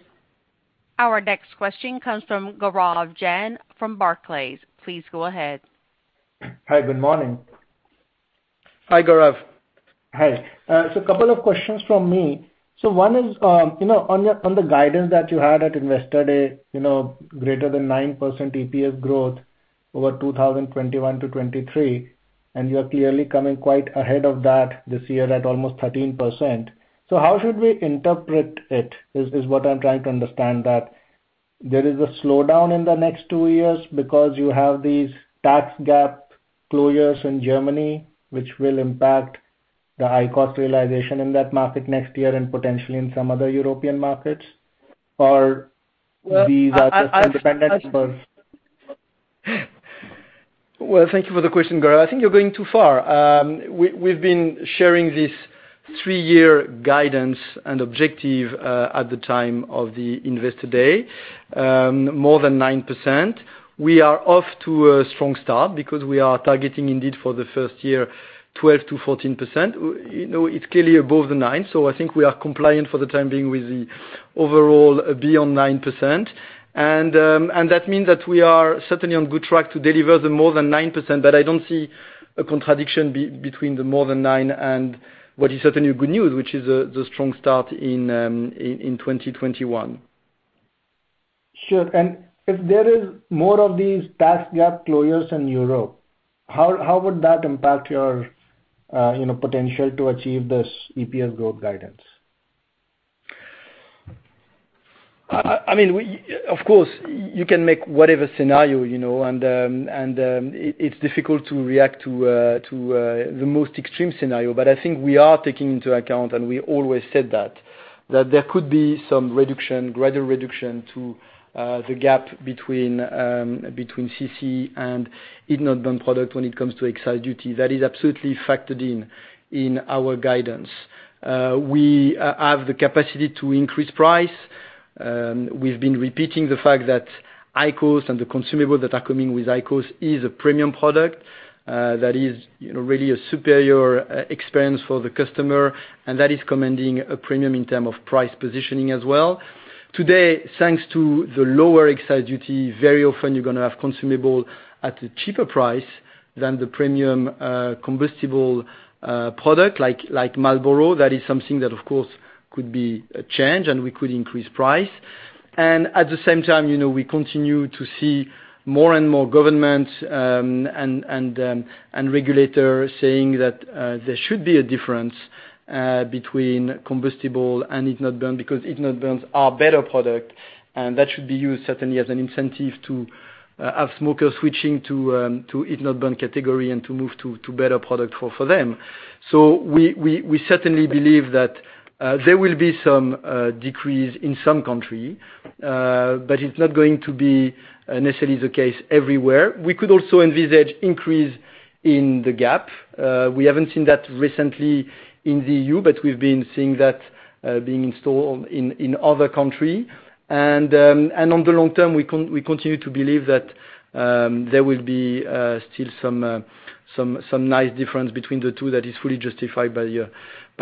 Our next question comes from Gaurav Jain from Barclays. Please go ahead. Hi, good morning. Hi, Gaurav. Hi. A couple of questions from me. One is on the guidance that you had at Investor Day, greater than 9% EPS growth over 2021-2023, and you are clearly coming quite ahead of that this year at almost 13%. How should we interpret it? Is what I'm trying to understand that there is a slowdown in the next two years because you have these tax gap closures in Germany, which will impact the IQOS realization in that market next year and potentially in some other European markets? These are just independent for Well, thank you for the question, Gaurav. I think you're going too far. We've been sharing this three-year guidance and objective at the time of the Investor Day, more than 9%. We are off to a strong start because we are targeting, indeed, for the first year, 12%-14%. It's clearly above the 9%, so I think we are compliant for the time being with the overall beyond 9%. That means that we are certainly on good track to deliver the more than 9%, but I don't see a contradiction between the more than 9% and what is certainly good news, which is the strong start in 2021. Sure. If there is more of these tax gap closures in Europe, how would that impact your potential to achieve this EPS growth guidance? Of course, you can make whatever scenario, and it's difficult to react to the most extreme scenario. I think we are taking into account, and we always said that there could be some gradual reduction to the gap between CC and heat-not-burn product when it comes to excise duty. That is absolutely factored in our guidance. We have the capacity to increase price. We've been repeating the fact that IQOS and the consumables that are coming with IQOS is a premium product that is really a superior experience for the customer, and that is commanding a premium in terms of price positioning as well. Today, thanks to the lower excise duty, very often you're going to have consumable at a cheaper price than the premium combustible product like Marlboro. That is something that, of course, could be a change, and we could increase price. At the same time, we continue to see more and more governments and regulators saying that there should be a difference between combustible and heat-not-burn, because heat-not-burns are better product, and that should be used certainly as an incentive to have smokers switching to heat-not-burn category and to move to better product for them. We certainly believe that there will be some decrease in some country, but it's not going to be necessarily the case everywhere. We could also envisage increase in the gap. We haven't seen that recently in the EU, but we've been seeing that being installed in other country. On the long term, we continue to believe that there will be still some nice difference between the two that is fully justified by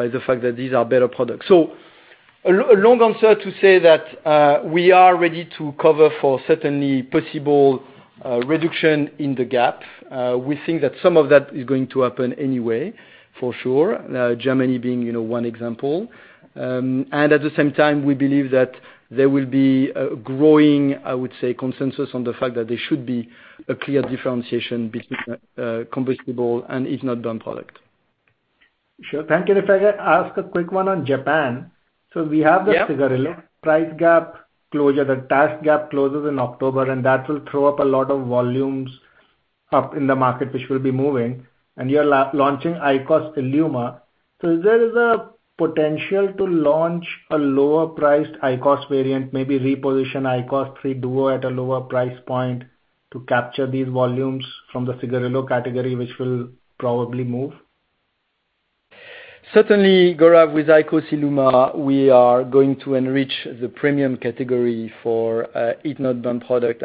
the fact that these are better products. A long answer to say that we are ready to cover for certainly possible reduction in the gap. We think that some of that is going to happen anyway, for sure. Germany being one example. At the same time, we believe that there will be a growing, I would say, consensus on the fact that there should be a clear differentiation between combustible and heat-not-burn product. Sure. Thank you. If I could ask a quick one on Japan. Yeah. We have the cigarillo price gap closure, the tax gap closure in October, and that will throw up a lot of volumes up in the market, which will be moving. You're launching IQOS ILUMA. Is there a potential to launch a lower-priced IQOS variant, maybe reposition IQOS 3 DUO at a lower price point to capture these volumes from the cigarillo category, which will probably move? Certainly, Gaurav, with IQOS ILUMA, we are going to enrich the premium category for heat-not-burn product.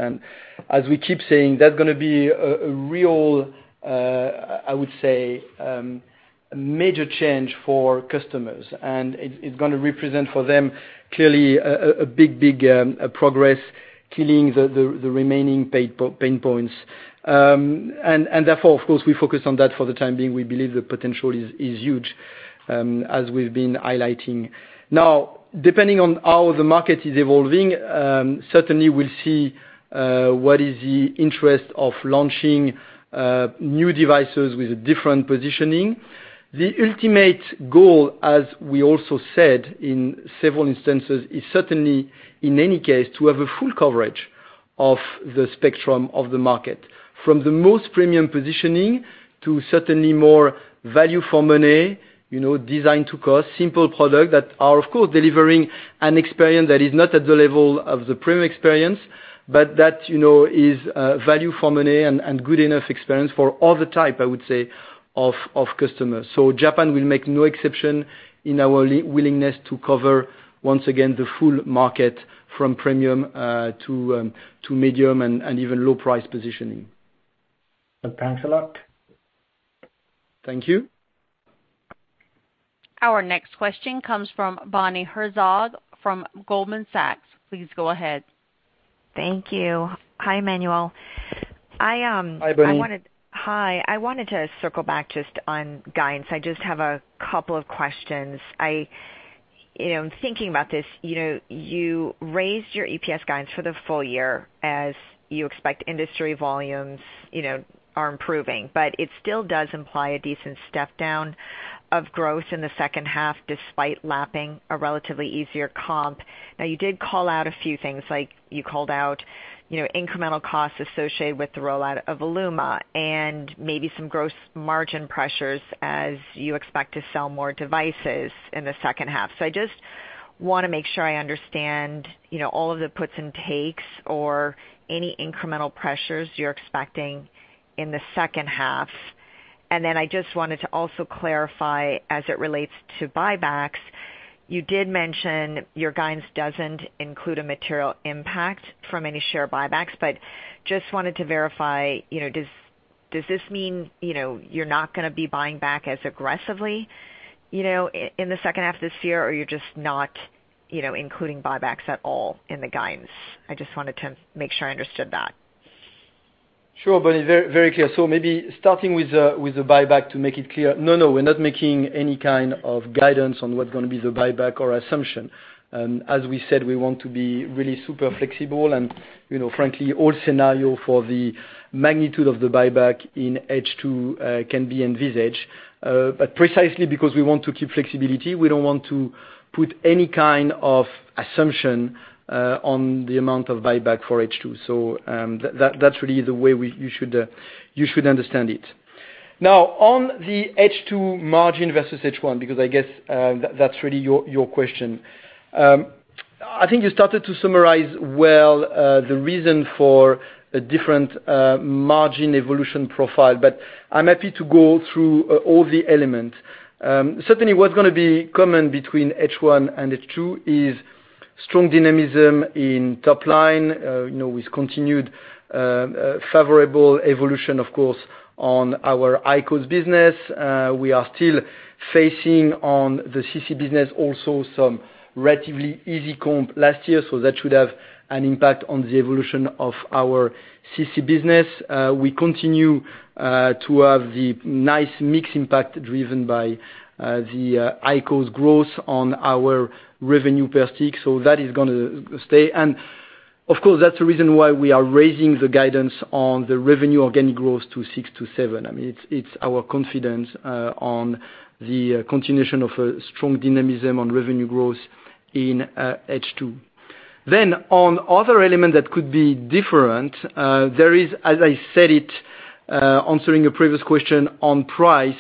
As we keep saying, that's going to be a real, I would say, major change for customers. It's going to represent for them clearly a big progress, killing the remaining pain points. Therefore, of course, we focus on that for the time being. We believe the potential is huge, as we've been highlighting. Now, depending on how the market is evolving, certainly we'll see what is the interest of launching new devices with a different positioning. The ultimate goal, as we also said in several instances, is certainly, in any case, to have a full coverage of the spectrum of the market. From the most premium positioning to certainly more value for money, designed to cost, simple product that are, of course, delivering an experience that is not at the level of the premium experience, but that is value for money and good enough experience for all the type, I would say, of customers. Japan will make no exception in our willingness to cover, once again, the full market from premium to medium and even low price positioning. Thanks a lot. Thank you. Our next question comes from Bonnie Herzog from Goldman Sachs. Please go ahead. Thank you. Hi, Emmanuel. Hi, Bonnie. Hi. I wanted to circle back just on guidance. I just have a couple of questions. I'm thinking about this. You raised your EPS guidance for the full year as you expect industry volumes are improving, it still does imply a decent step down of growth in the second half, despite lapping a relatively easier comp. You did call out a few things, like you called out incremental costs associated with the rollout of ILUMA and maybe some gross margin pressures as you expect to sell more devices in the second half. I just want to make sure I understand all of the puts and takes or any incremental pressures you're expecting in the second half. I just wanted to also clarify as it relates to buybacks, you did mention your guidance doesn't include a material impact from any share buybacks, but just wanted to verify, does this mean you're not going to be buying back as aggressively in the second half of this year, or you're just not including buybacks at all in the guidance? I just wanted to make sure I understood that. Sure, Bonnie. Very clear. Maybe starting with the buyback to make it clear. No, we're not making any kind of guidance on what's going to be the buyback or assumption. As we said, we want to be really super flexible and frankly, all scenario for the magnitude of the buyback in H2 can be envisaged. Precisely because we want to keep flexibility, we don't want to put any kind of assumption on the amount of buyback for H2. That's really the way you should understand it. On the H2 margin versus H1, because I guess that's really your question. I think you started to summarize well the reason for a different margin evolution profile, but I'm happy to go through all the elements. Certainly, what's going to be common between H1 and H2 is strong dynamism in top line, with continued favorable evolution, of course, on our IQOS business. We are still facing on the CC business also some relatively easy comp last year, so that should have an impact on the evolution of our CC business. We continue to have the nice mix impact driven by the IQOS growth on our revenue per stick. That is going to stay. Of course, that's the reason why we are raising the guidance on the revenue organic growth to 6%-7%. I mean, it's our confidence on the continuation of a strong dynamism on revenue growth in H2. On other element that could be different, there is, as I said it answering a previous question on price,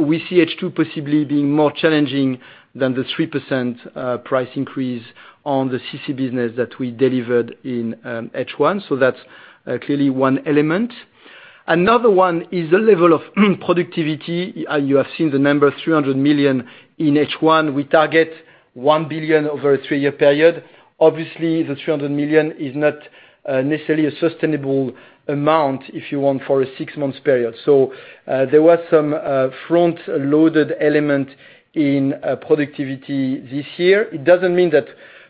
we see H2 possibly being more challenging than the 3% price increase on the CC business that we delivered in H1. That's clearly one element. Another one is the level of productivity. You have seen the number $300 million in H1. We target $1 billion over a three-year period. Obviously, the $300 million is not necessarily a sustainable amount, if you want, for a six months period. There was some front-loaded element in productivity this year. It doesn't mean that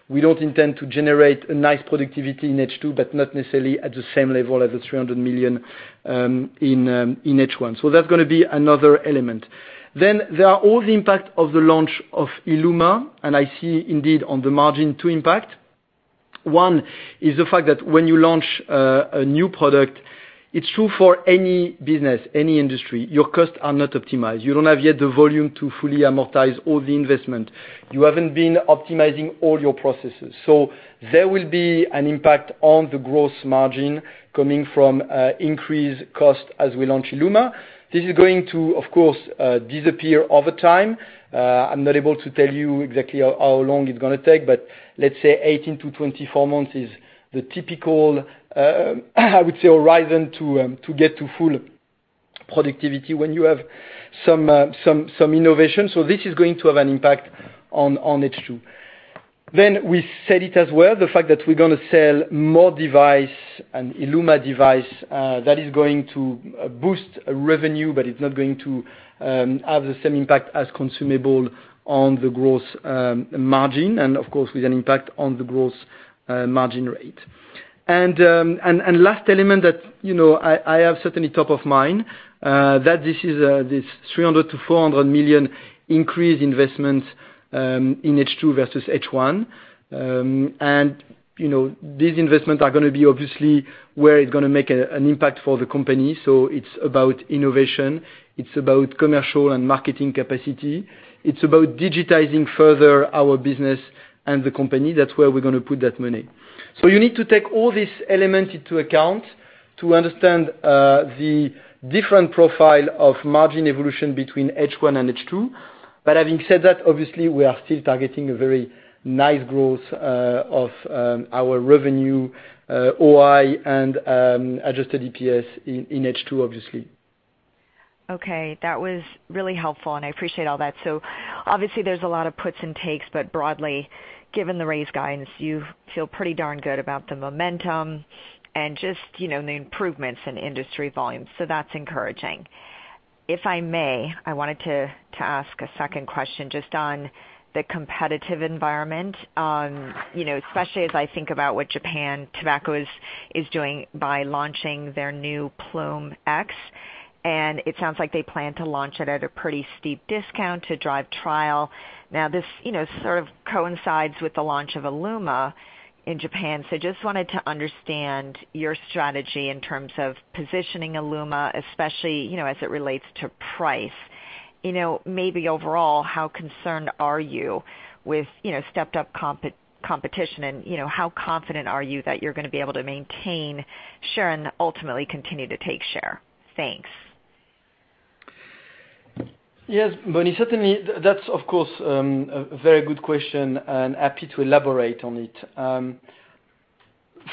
we don't intend to generate a nice productivity in H2, but not necessarily at the same level as the $300 million in H1. That's going to be another element. There are all the impact of the launch of IQOS ILUMA, and I see indeed on the margin two impact. One is the fact that when you launch a new product, it's true for any business, any industry, your costs are not optimized. You don't have yet the volume to fully amortize all the investment. You haven't been optimizing all your processes. There will be an impact on the gross margin coming from increased cost as we launch IQOS ILUMA. This is going to, of course, disappear over time. I'm not able to tell you exactly how long it's going to take, but let's say 18-24 months is the typical, I would say, horizon to get to full productivity when you have some innovation. This is going to have an impact on H2. We said it as well, the fact that we're going to sell more device and IQOS ILUMA device that is going to boost revenue, but it's not going to have the same impact as consumable on the gross margin, and of course, with an impact on the gross margin rate. Last element that I have certainly top of mind, that this $300 million-$400 million increased investments in H2 versus H1. These investments are going to be obviously where it's going to make an impact for the company. It's about innovation, it's about commercial and marketing capacity. It's about digitizing further our business and the company. That's where we're going to put that money. You need to take all these elements into account to understand the different profile of margin evolution between H1 and H2. Having said that, obviously, we are still targeting a very nice growth of our revenue, OI and adjusted EPS in H2, obviously. Okay. That was really helpful, and I appreciate all that. Obviously, there's a lot of puts and takes, but broadly, given the raised guidance, you feel pretty darn good about the momentum and just the improvements in industry volumes. That's encouraging. If I may, I wanted to ask a second question just on the competitive environment, especially as I think about what Japan Tobacco is doing by launching their new Ploom X. It sounds like they plan to launch it at a pretty steep discount to drive trial. Now, this sort of coincides with the launch of IQOS ILUMA in Japan. Just wanted to understand your strategy in terms of positioning IQOS ILUMA, especially, as it relates to price. Maybe overall, how concerned are you with stepped-up competition, and how confident are you that you're going to be able to maintain share and ultimately continue to take share? Thanks. Yes. Bonnie, certainly, that's of course, a very good question and happy to elaborate on it.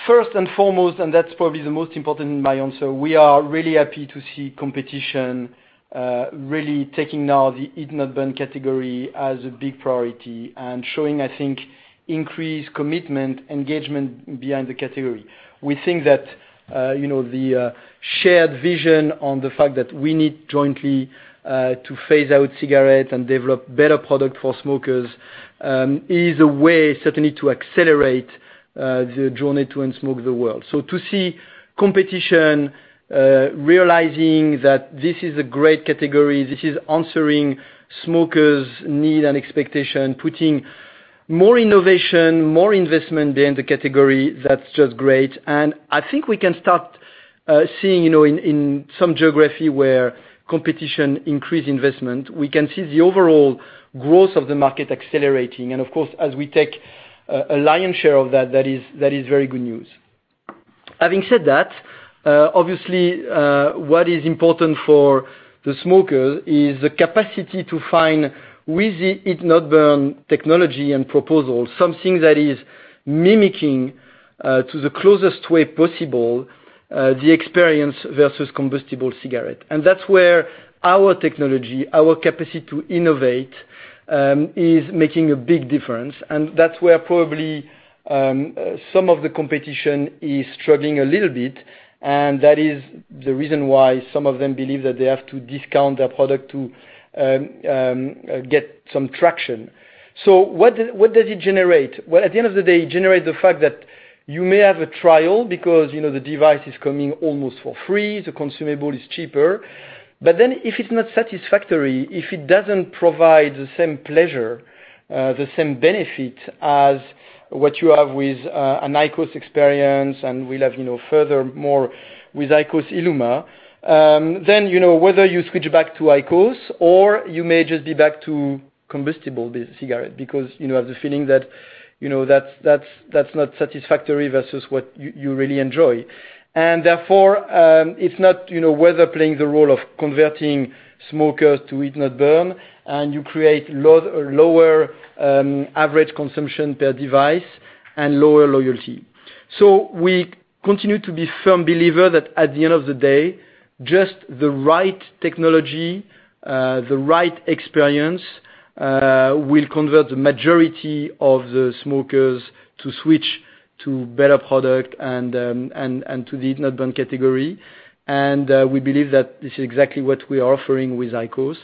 First and foremost, and that's probably the most important in my answer, we are really happy to see competition really taking now the heat-not-burn category as a big priority and showing, I think, increased commitment, engagement behind the category. We think that the shared vision on the fact that we need jointly, to phase out cigarette and develop better product for smokers, is a way, certainly, to accelerate the journey to unsmoke the world. To see competition, realizing that this is a great category, this is answering smokers' need and expectation, putting more innovation, more investment there in the category, that's just great. I think we can start seeing in some geography where competition increase investment. We can see the overall growth of the market accelerating. Of course, as we take a lion's share of that is very good news. Having said that, obviously, what is important for the smoker is the capacity to find with the heat-not-burn technology and proposal, something that is mimicking, to the closest way possible, the experience versus combustible cigarette. That's where our technology, our capacity to innovate, is making a big difference. That's where probably some of the competition is struggling a little bit, and that is the reason why some of them believe that they have to discount their product to get some traction. What does it generate? At the end of the day, it generate the fact that you may have a trial because the device is coming almost for free, the consumable is cheaper. If it's not satisfactory, if it doesn't provide the same pleasure, the same benefit as what you have with an IQOS experience, and will have furthermore with IQOS ILUMA, then whether you switch back to IQOS or you may just be back to combustible cigarette because you have the feeling that's not satisfactory versus what you really enjoy. Therefore, it's not whether playing the role of converting smokers to heat-not-burn, and you create lower average consumption per device and lower loyalty. We continue to be firm believer that at the end of the day, just the right technology, the right experience, will convert the majority of the smokers to switch to better product and to the heat-not-burn category. We believe that this is exactly what we are offering with IQOS,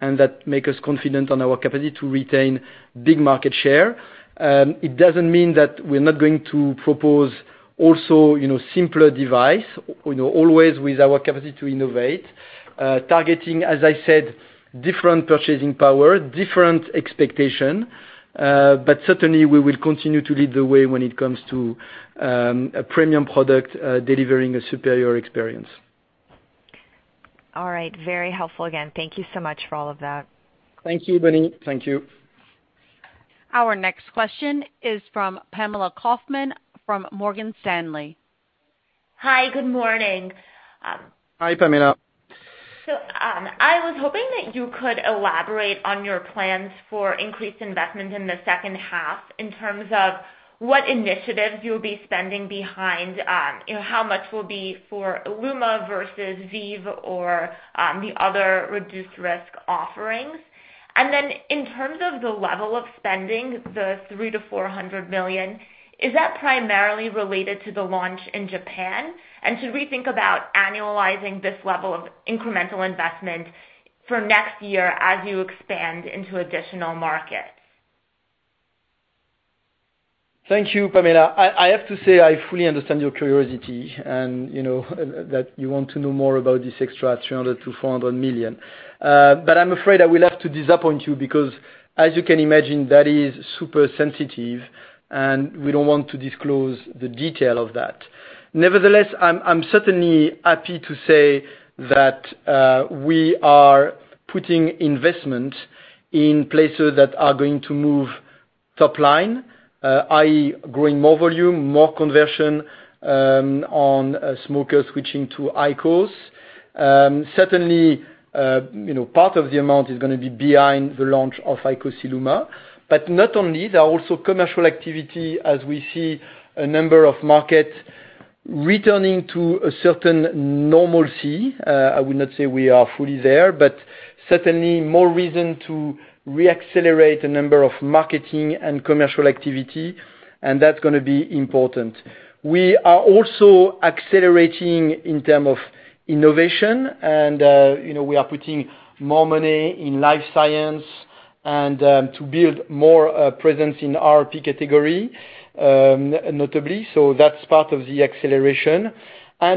and that make us confident on our capacity to retain big market share. It doesn't mean that we're not going to propose also simpler device, always with our capacity to innovate, targeting, as I said, different purchasing power, different expectation. Certainly, we will continue to lead the way when it comes to a premium product delivering a superior experience. All right. Very helpful again. Thank you so much for all of that. Thank you, Bonnie. Thank you. Our next question is from Pamela Kaufman from Morgan Stanley. Hi, good morning. Hi, Pamela. I was hoping that you could elaborate on your plans for increased investment in the second half in terms of what initiatives you'll be spending behind, how much will be for ILUMA versus VEEV or the other reduced risk offerings. In terms of the level of spending, the $300 million-$400 million, is that primarily related to the launch in Japan? Should we think about annualizing this level of incremental investment for next year as you expand into additional markets? Thank you, Pamela. I have to say, I fully understand your curiosity and that you want to know more about this extra $300 million-$400 million. I'm afraid I will have to disappoint you because, as you can imagine, that is super sensitive, and we don't want to disclose the detail of that. Nevertheless, I'm certainly happy to say that we are putting investment in places that are going to move top line, i.e., growing more volume, more conversion on smokers switching to IQOS. Certainly, part of the amount is going to be behind the launch of IQOS ILUMA. Not only, there are also commercial activity as we see a number of markets returning to a certain normalcy. I would not say we are fully there, but certainly more reason to re-accelerate a number of marketing and commercial activity, and that's going to be important. We are also accelerating in terms of innovation and we are putting more money in life science and to build more presence in RRP category, notably. That's part of the acceleration.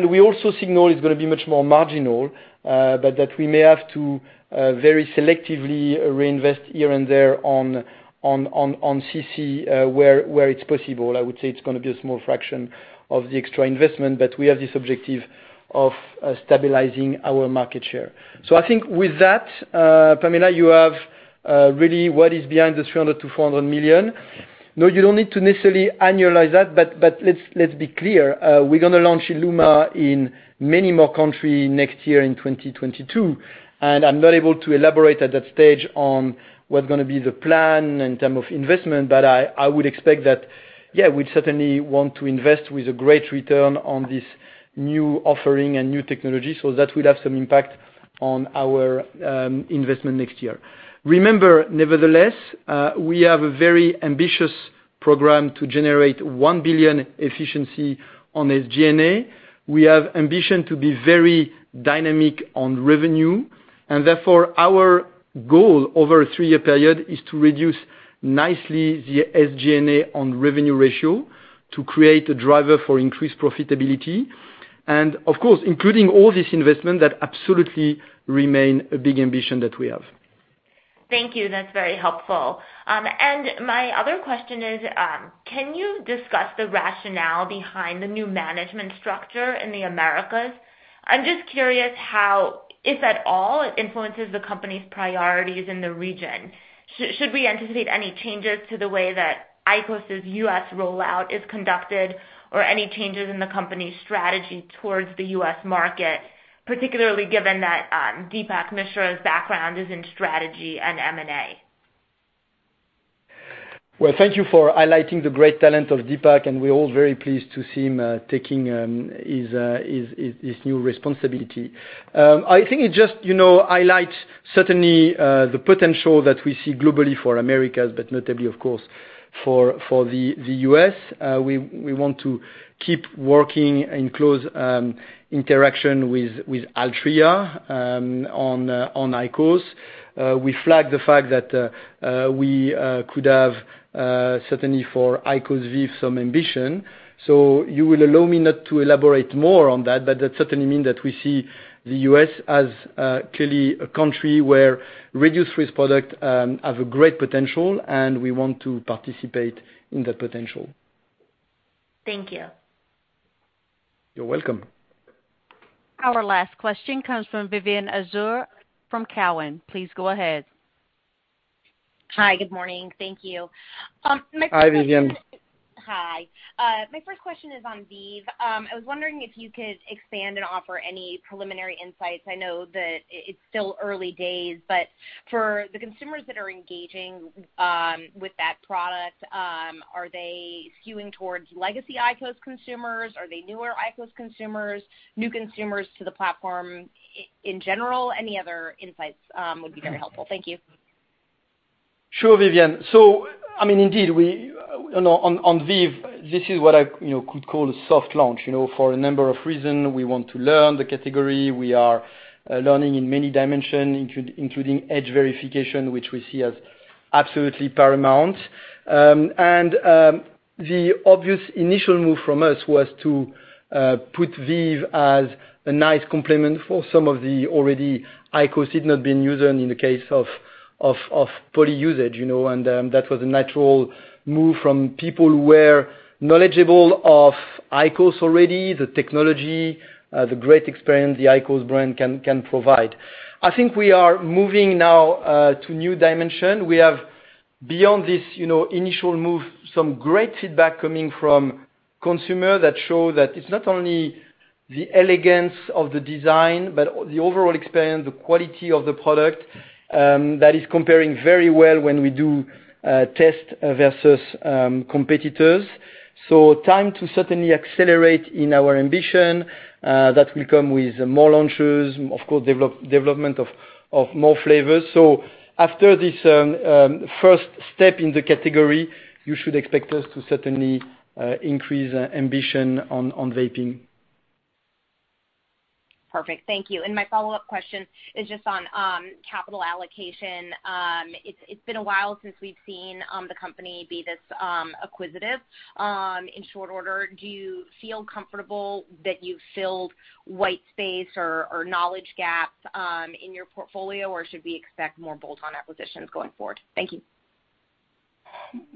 We also signal it's going to be much more marginal, but that we may have to very selectively reinvest here and there on CC, where it's possible. I would say it's going to be a small fraction of the extra investment, but we have this objective of stabilizing our market share. I think with that, Pamela, you have really what is behind the $300 million-$400 million. No, you don't need to necessarily annualize that, but let's be clear. We're going to launch ILUMA in many more countries next year in 2022. I'm not able to elaborate at that stage on what's going to be the plan in terms of investment. I would expect that, yeah, we'd certainly want to invest with a great return on this new offering and new technology, so that will have some impact on our investment next year. Remember, nevertheless, we have a very ambitious program to generate $1 billion efficiency on SG&A. We have ambition to be very dynamic on revenue, and therefore our goal over a three-year period is to reduce nicely the SG&A on revenue ratio to create a driver for increased profitability. Of course, including all this investment, that absolutely remain a big ambition that we have. Thank you. That's very helpful. My other question is, can you discuss the rationale behind the new management structure in the Americas? I'm just curious how, if at all, it influences the company's priorities in the region. Should we anticipate any changes to the way that IQOS's U.S. rollout is conducted or any changes in the company's strategy towards the U.S. market, particularly given that Deepak Mishra's background is in strategy and M&A? Well, thank you for highlighting the great talent of Deepak, and we're all very pleased to see him taking his new responsibility. I think it just highlights certainly the potential that we see globally for Americas, but notably, of course, for the U.S. We want to keep working in close interaction with Altria on IQOS. We flagged the fact that we could have certainly for IQOS VEEV some ambition. You will allow me not to elaborate more on that, but that certainly mean that we see the U.S. as clearly a country where Reduced-Risk Product have a great potential, and we want to participate in that potential. Thank you. You're welcome. Our last question comes from Vivien Azer from Cowen. Please go ahead. Hi, good morning. Thank you. Hi, Vivien. Hi. My first question is on VEEV. I was wondering if you could expand and offer any preliminary insights. I know that it's still early days, for the consumers that are engaging with that product, are they skewing towards legacy IQOS consumers? Are they newer IQOS consumers, new consumers to the platform in general? Any other insights would be very helpful. Thank you. Sure, Vivien. Indeed, on VEEV, this is what I could call a soft launch. For a number of reason, we want to learn the category. We are learning in many dimension, including edge verification, which we see as absolutely paramount. The obvious initial move from us was to put VEEV as a nice complement for some of the already IQOS cigarette been using in the case of poly usage. That was a natural move from people who were knowledgeable of IQOS already, the technology, the great experience the IQOS brand can provide. I think we are moving now to new dimension. We have, beyond this initial move, some great feedback coming from consumer that show that it's not only the elegance of the design, but the overall experience, the quality of the product, that is comparing very well when we do test versus competitors. Time to certainly accelerate in our ambition. That will come with more launches, of course, development of more flavors. After this first step in the category, you should expect us to certainly increase ambition on vaping. Perfect. Thank you. My follow-up question is just on capital allocation. It's been a while since we've seen the company be this acquisitive. In short order, do you feel comfortable that you've filled white space or knowledge gaps in your portfolio, or should we expect more bolt-on acquisitions going forward? Thank you.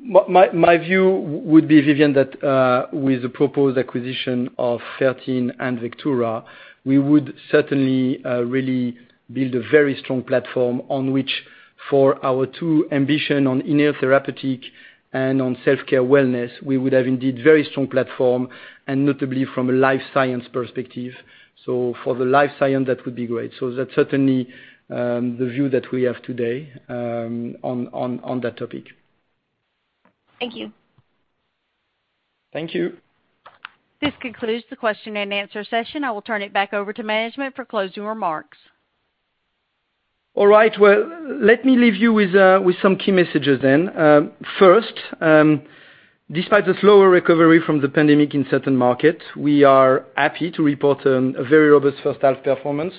My view would be, Vivien, that with the proposed acquisition of Fertin and Vectura, we would certainly really build a very strong platform on which for our two ambitions on inhaled therapeutics and on self-care wellness. We would have indeed very strong platform and notably from a life science perspective. For the life science, that would be great. That's certainly the view that we have today on that topic. Thank you. Thank you. This concludes the question and answer session. I will turn it back over to management for closing remarks. All right, well, let me leave you with some key messages then. First, despite the slower recovery from the pandemic in certain markets, we are happy to report a very robust first half performance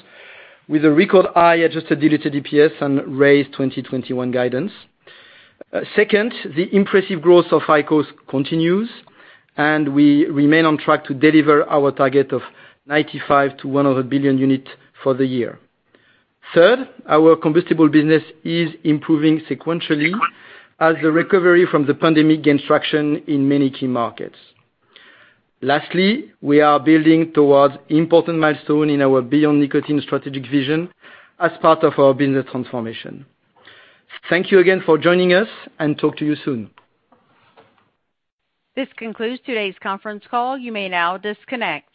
with a record high adjusted diluted EPS and raised 2021 guidance. Second, the impressive growth of IQOS continues, and we remain on track to deliver our target of 95 billion-100 billion units for the year. Third, our combustible business is improving sequentially as the recovery from the pandemic gains traction in many key markets. Lastly, we are building towards important milestone in our beyond nicotine strategic vision as part of our business transformation. Thank you again for joining us, and talk to you soon. This concludes today's conference call. You may now disconnect.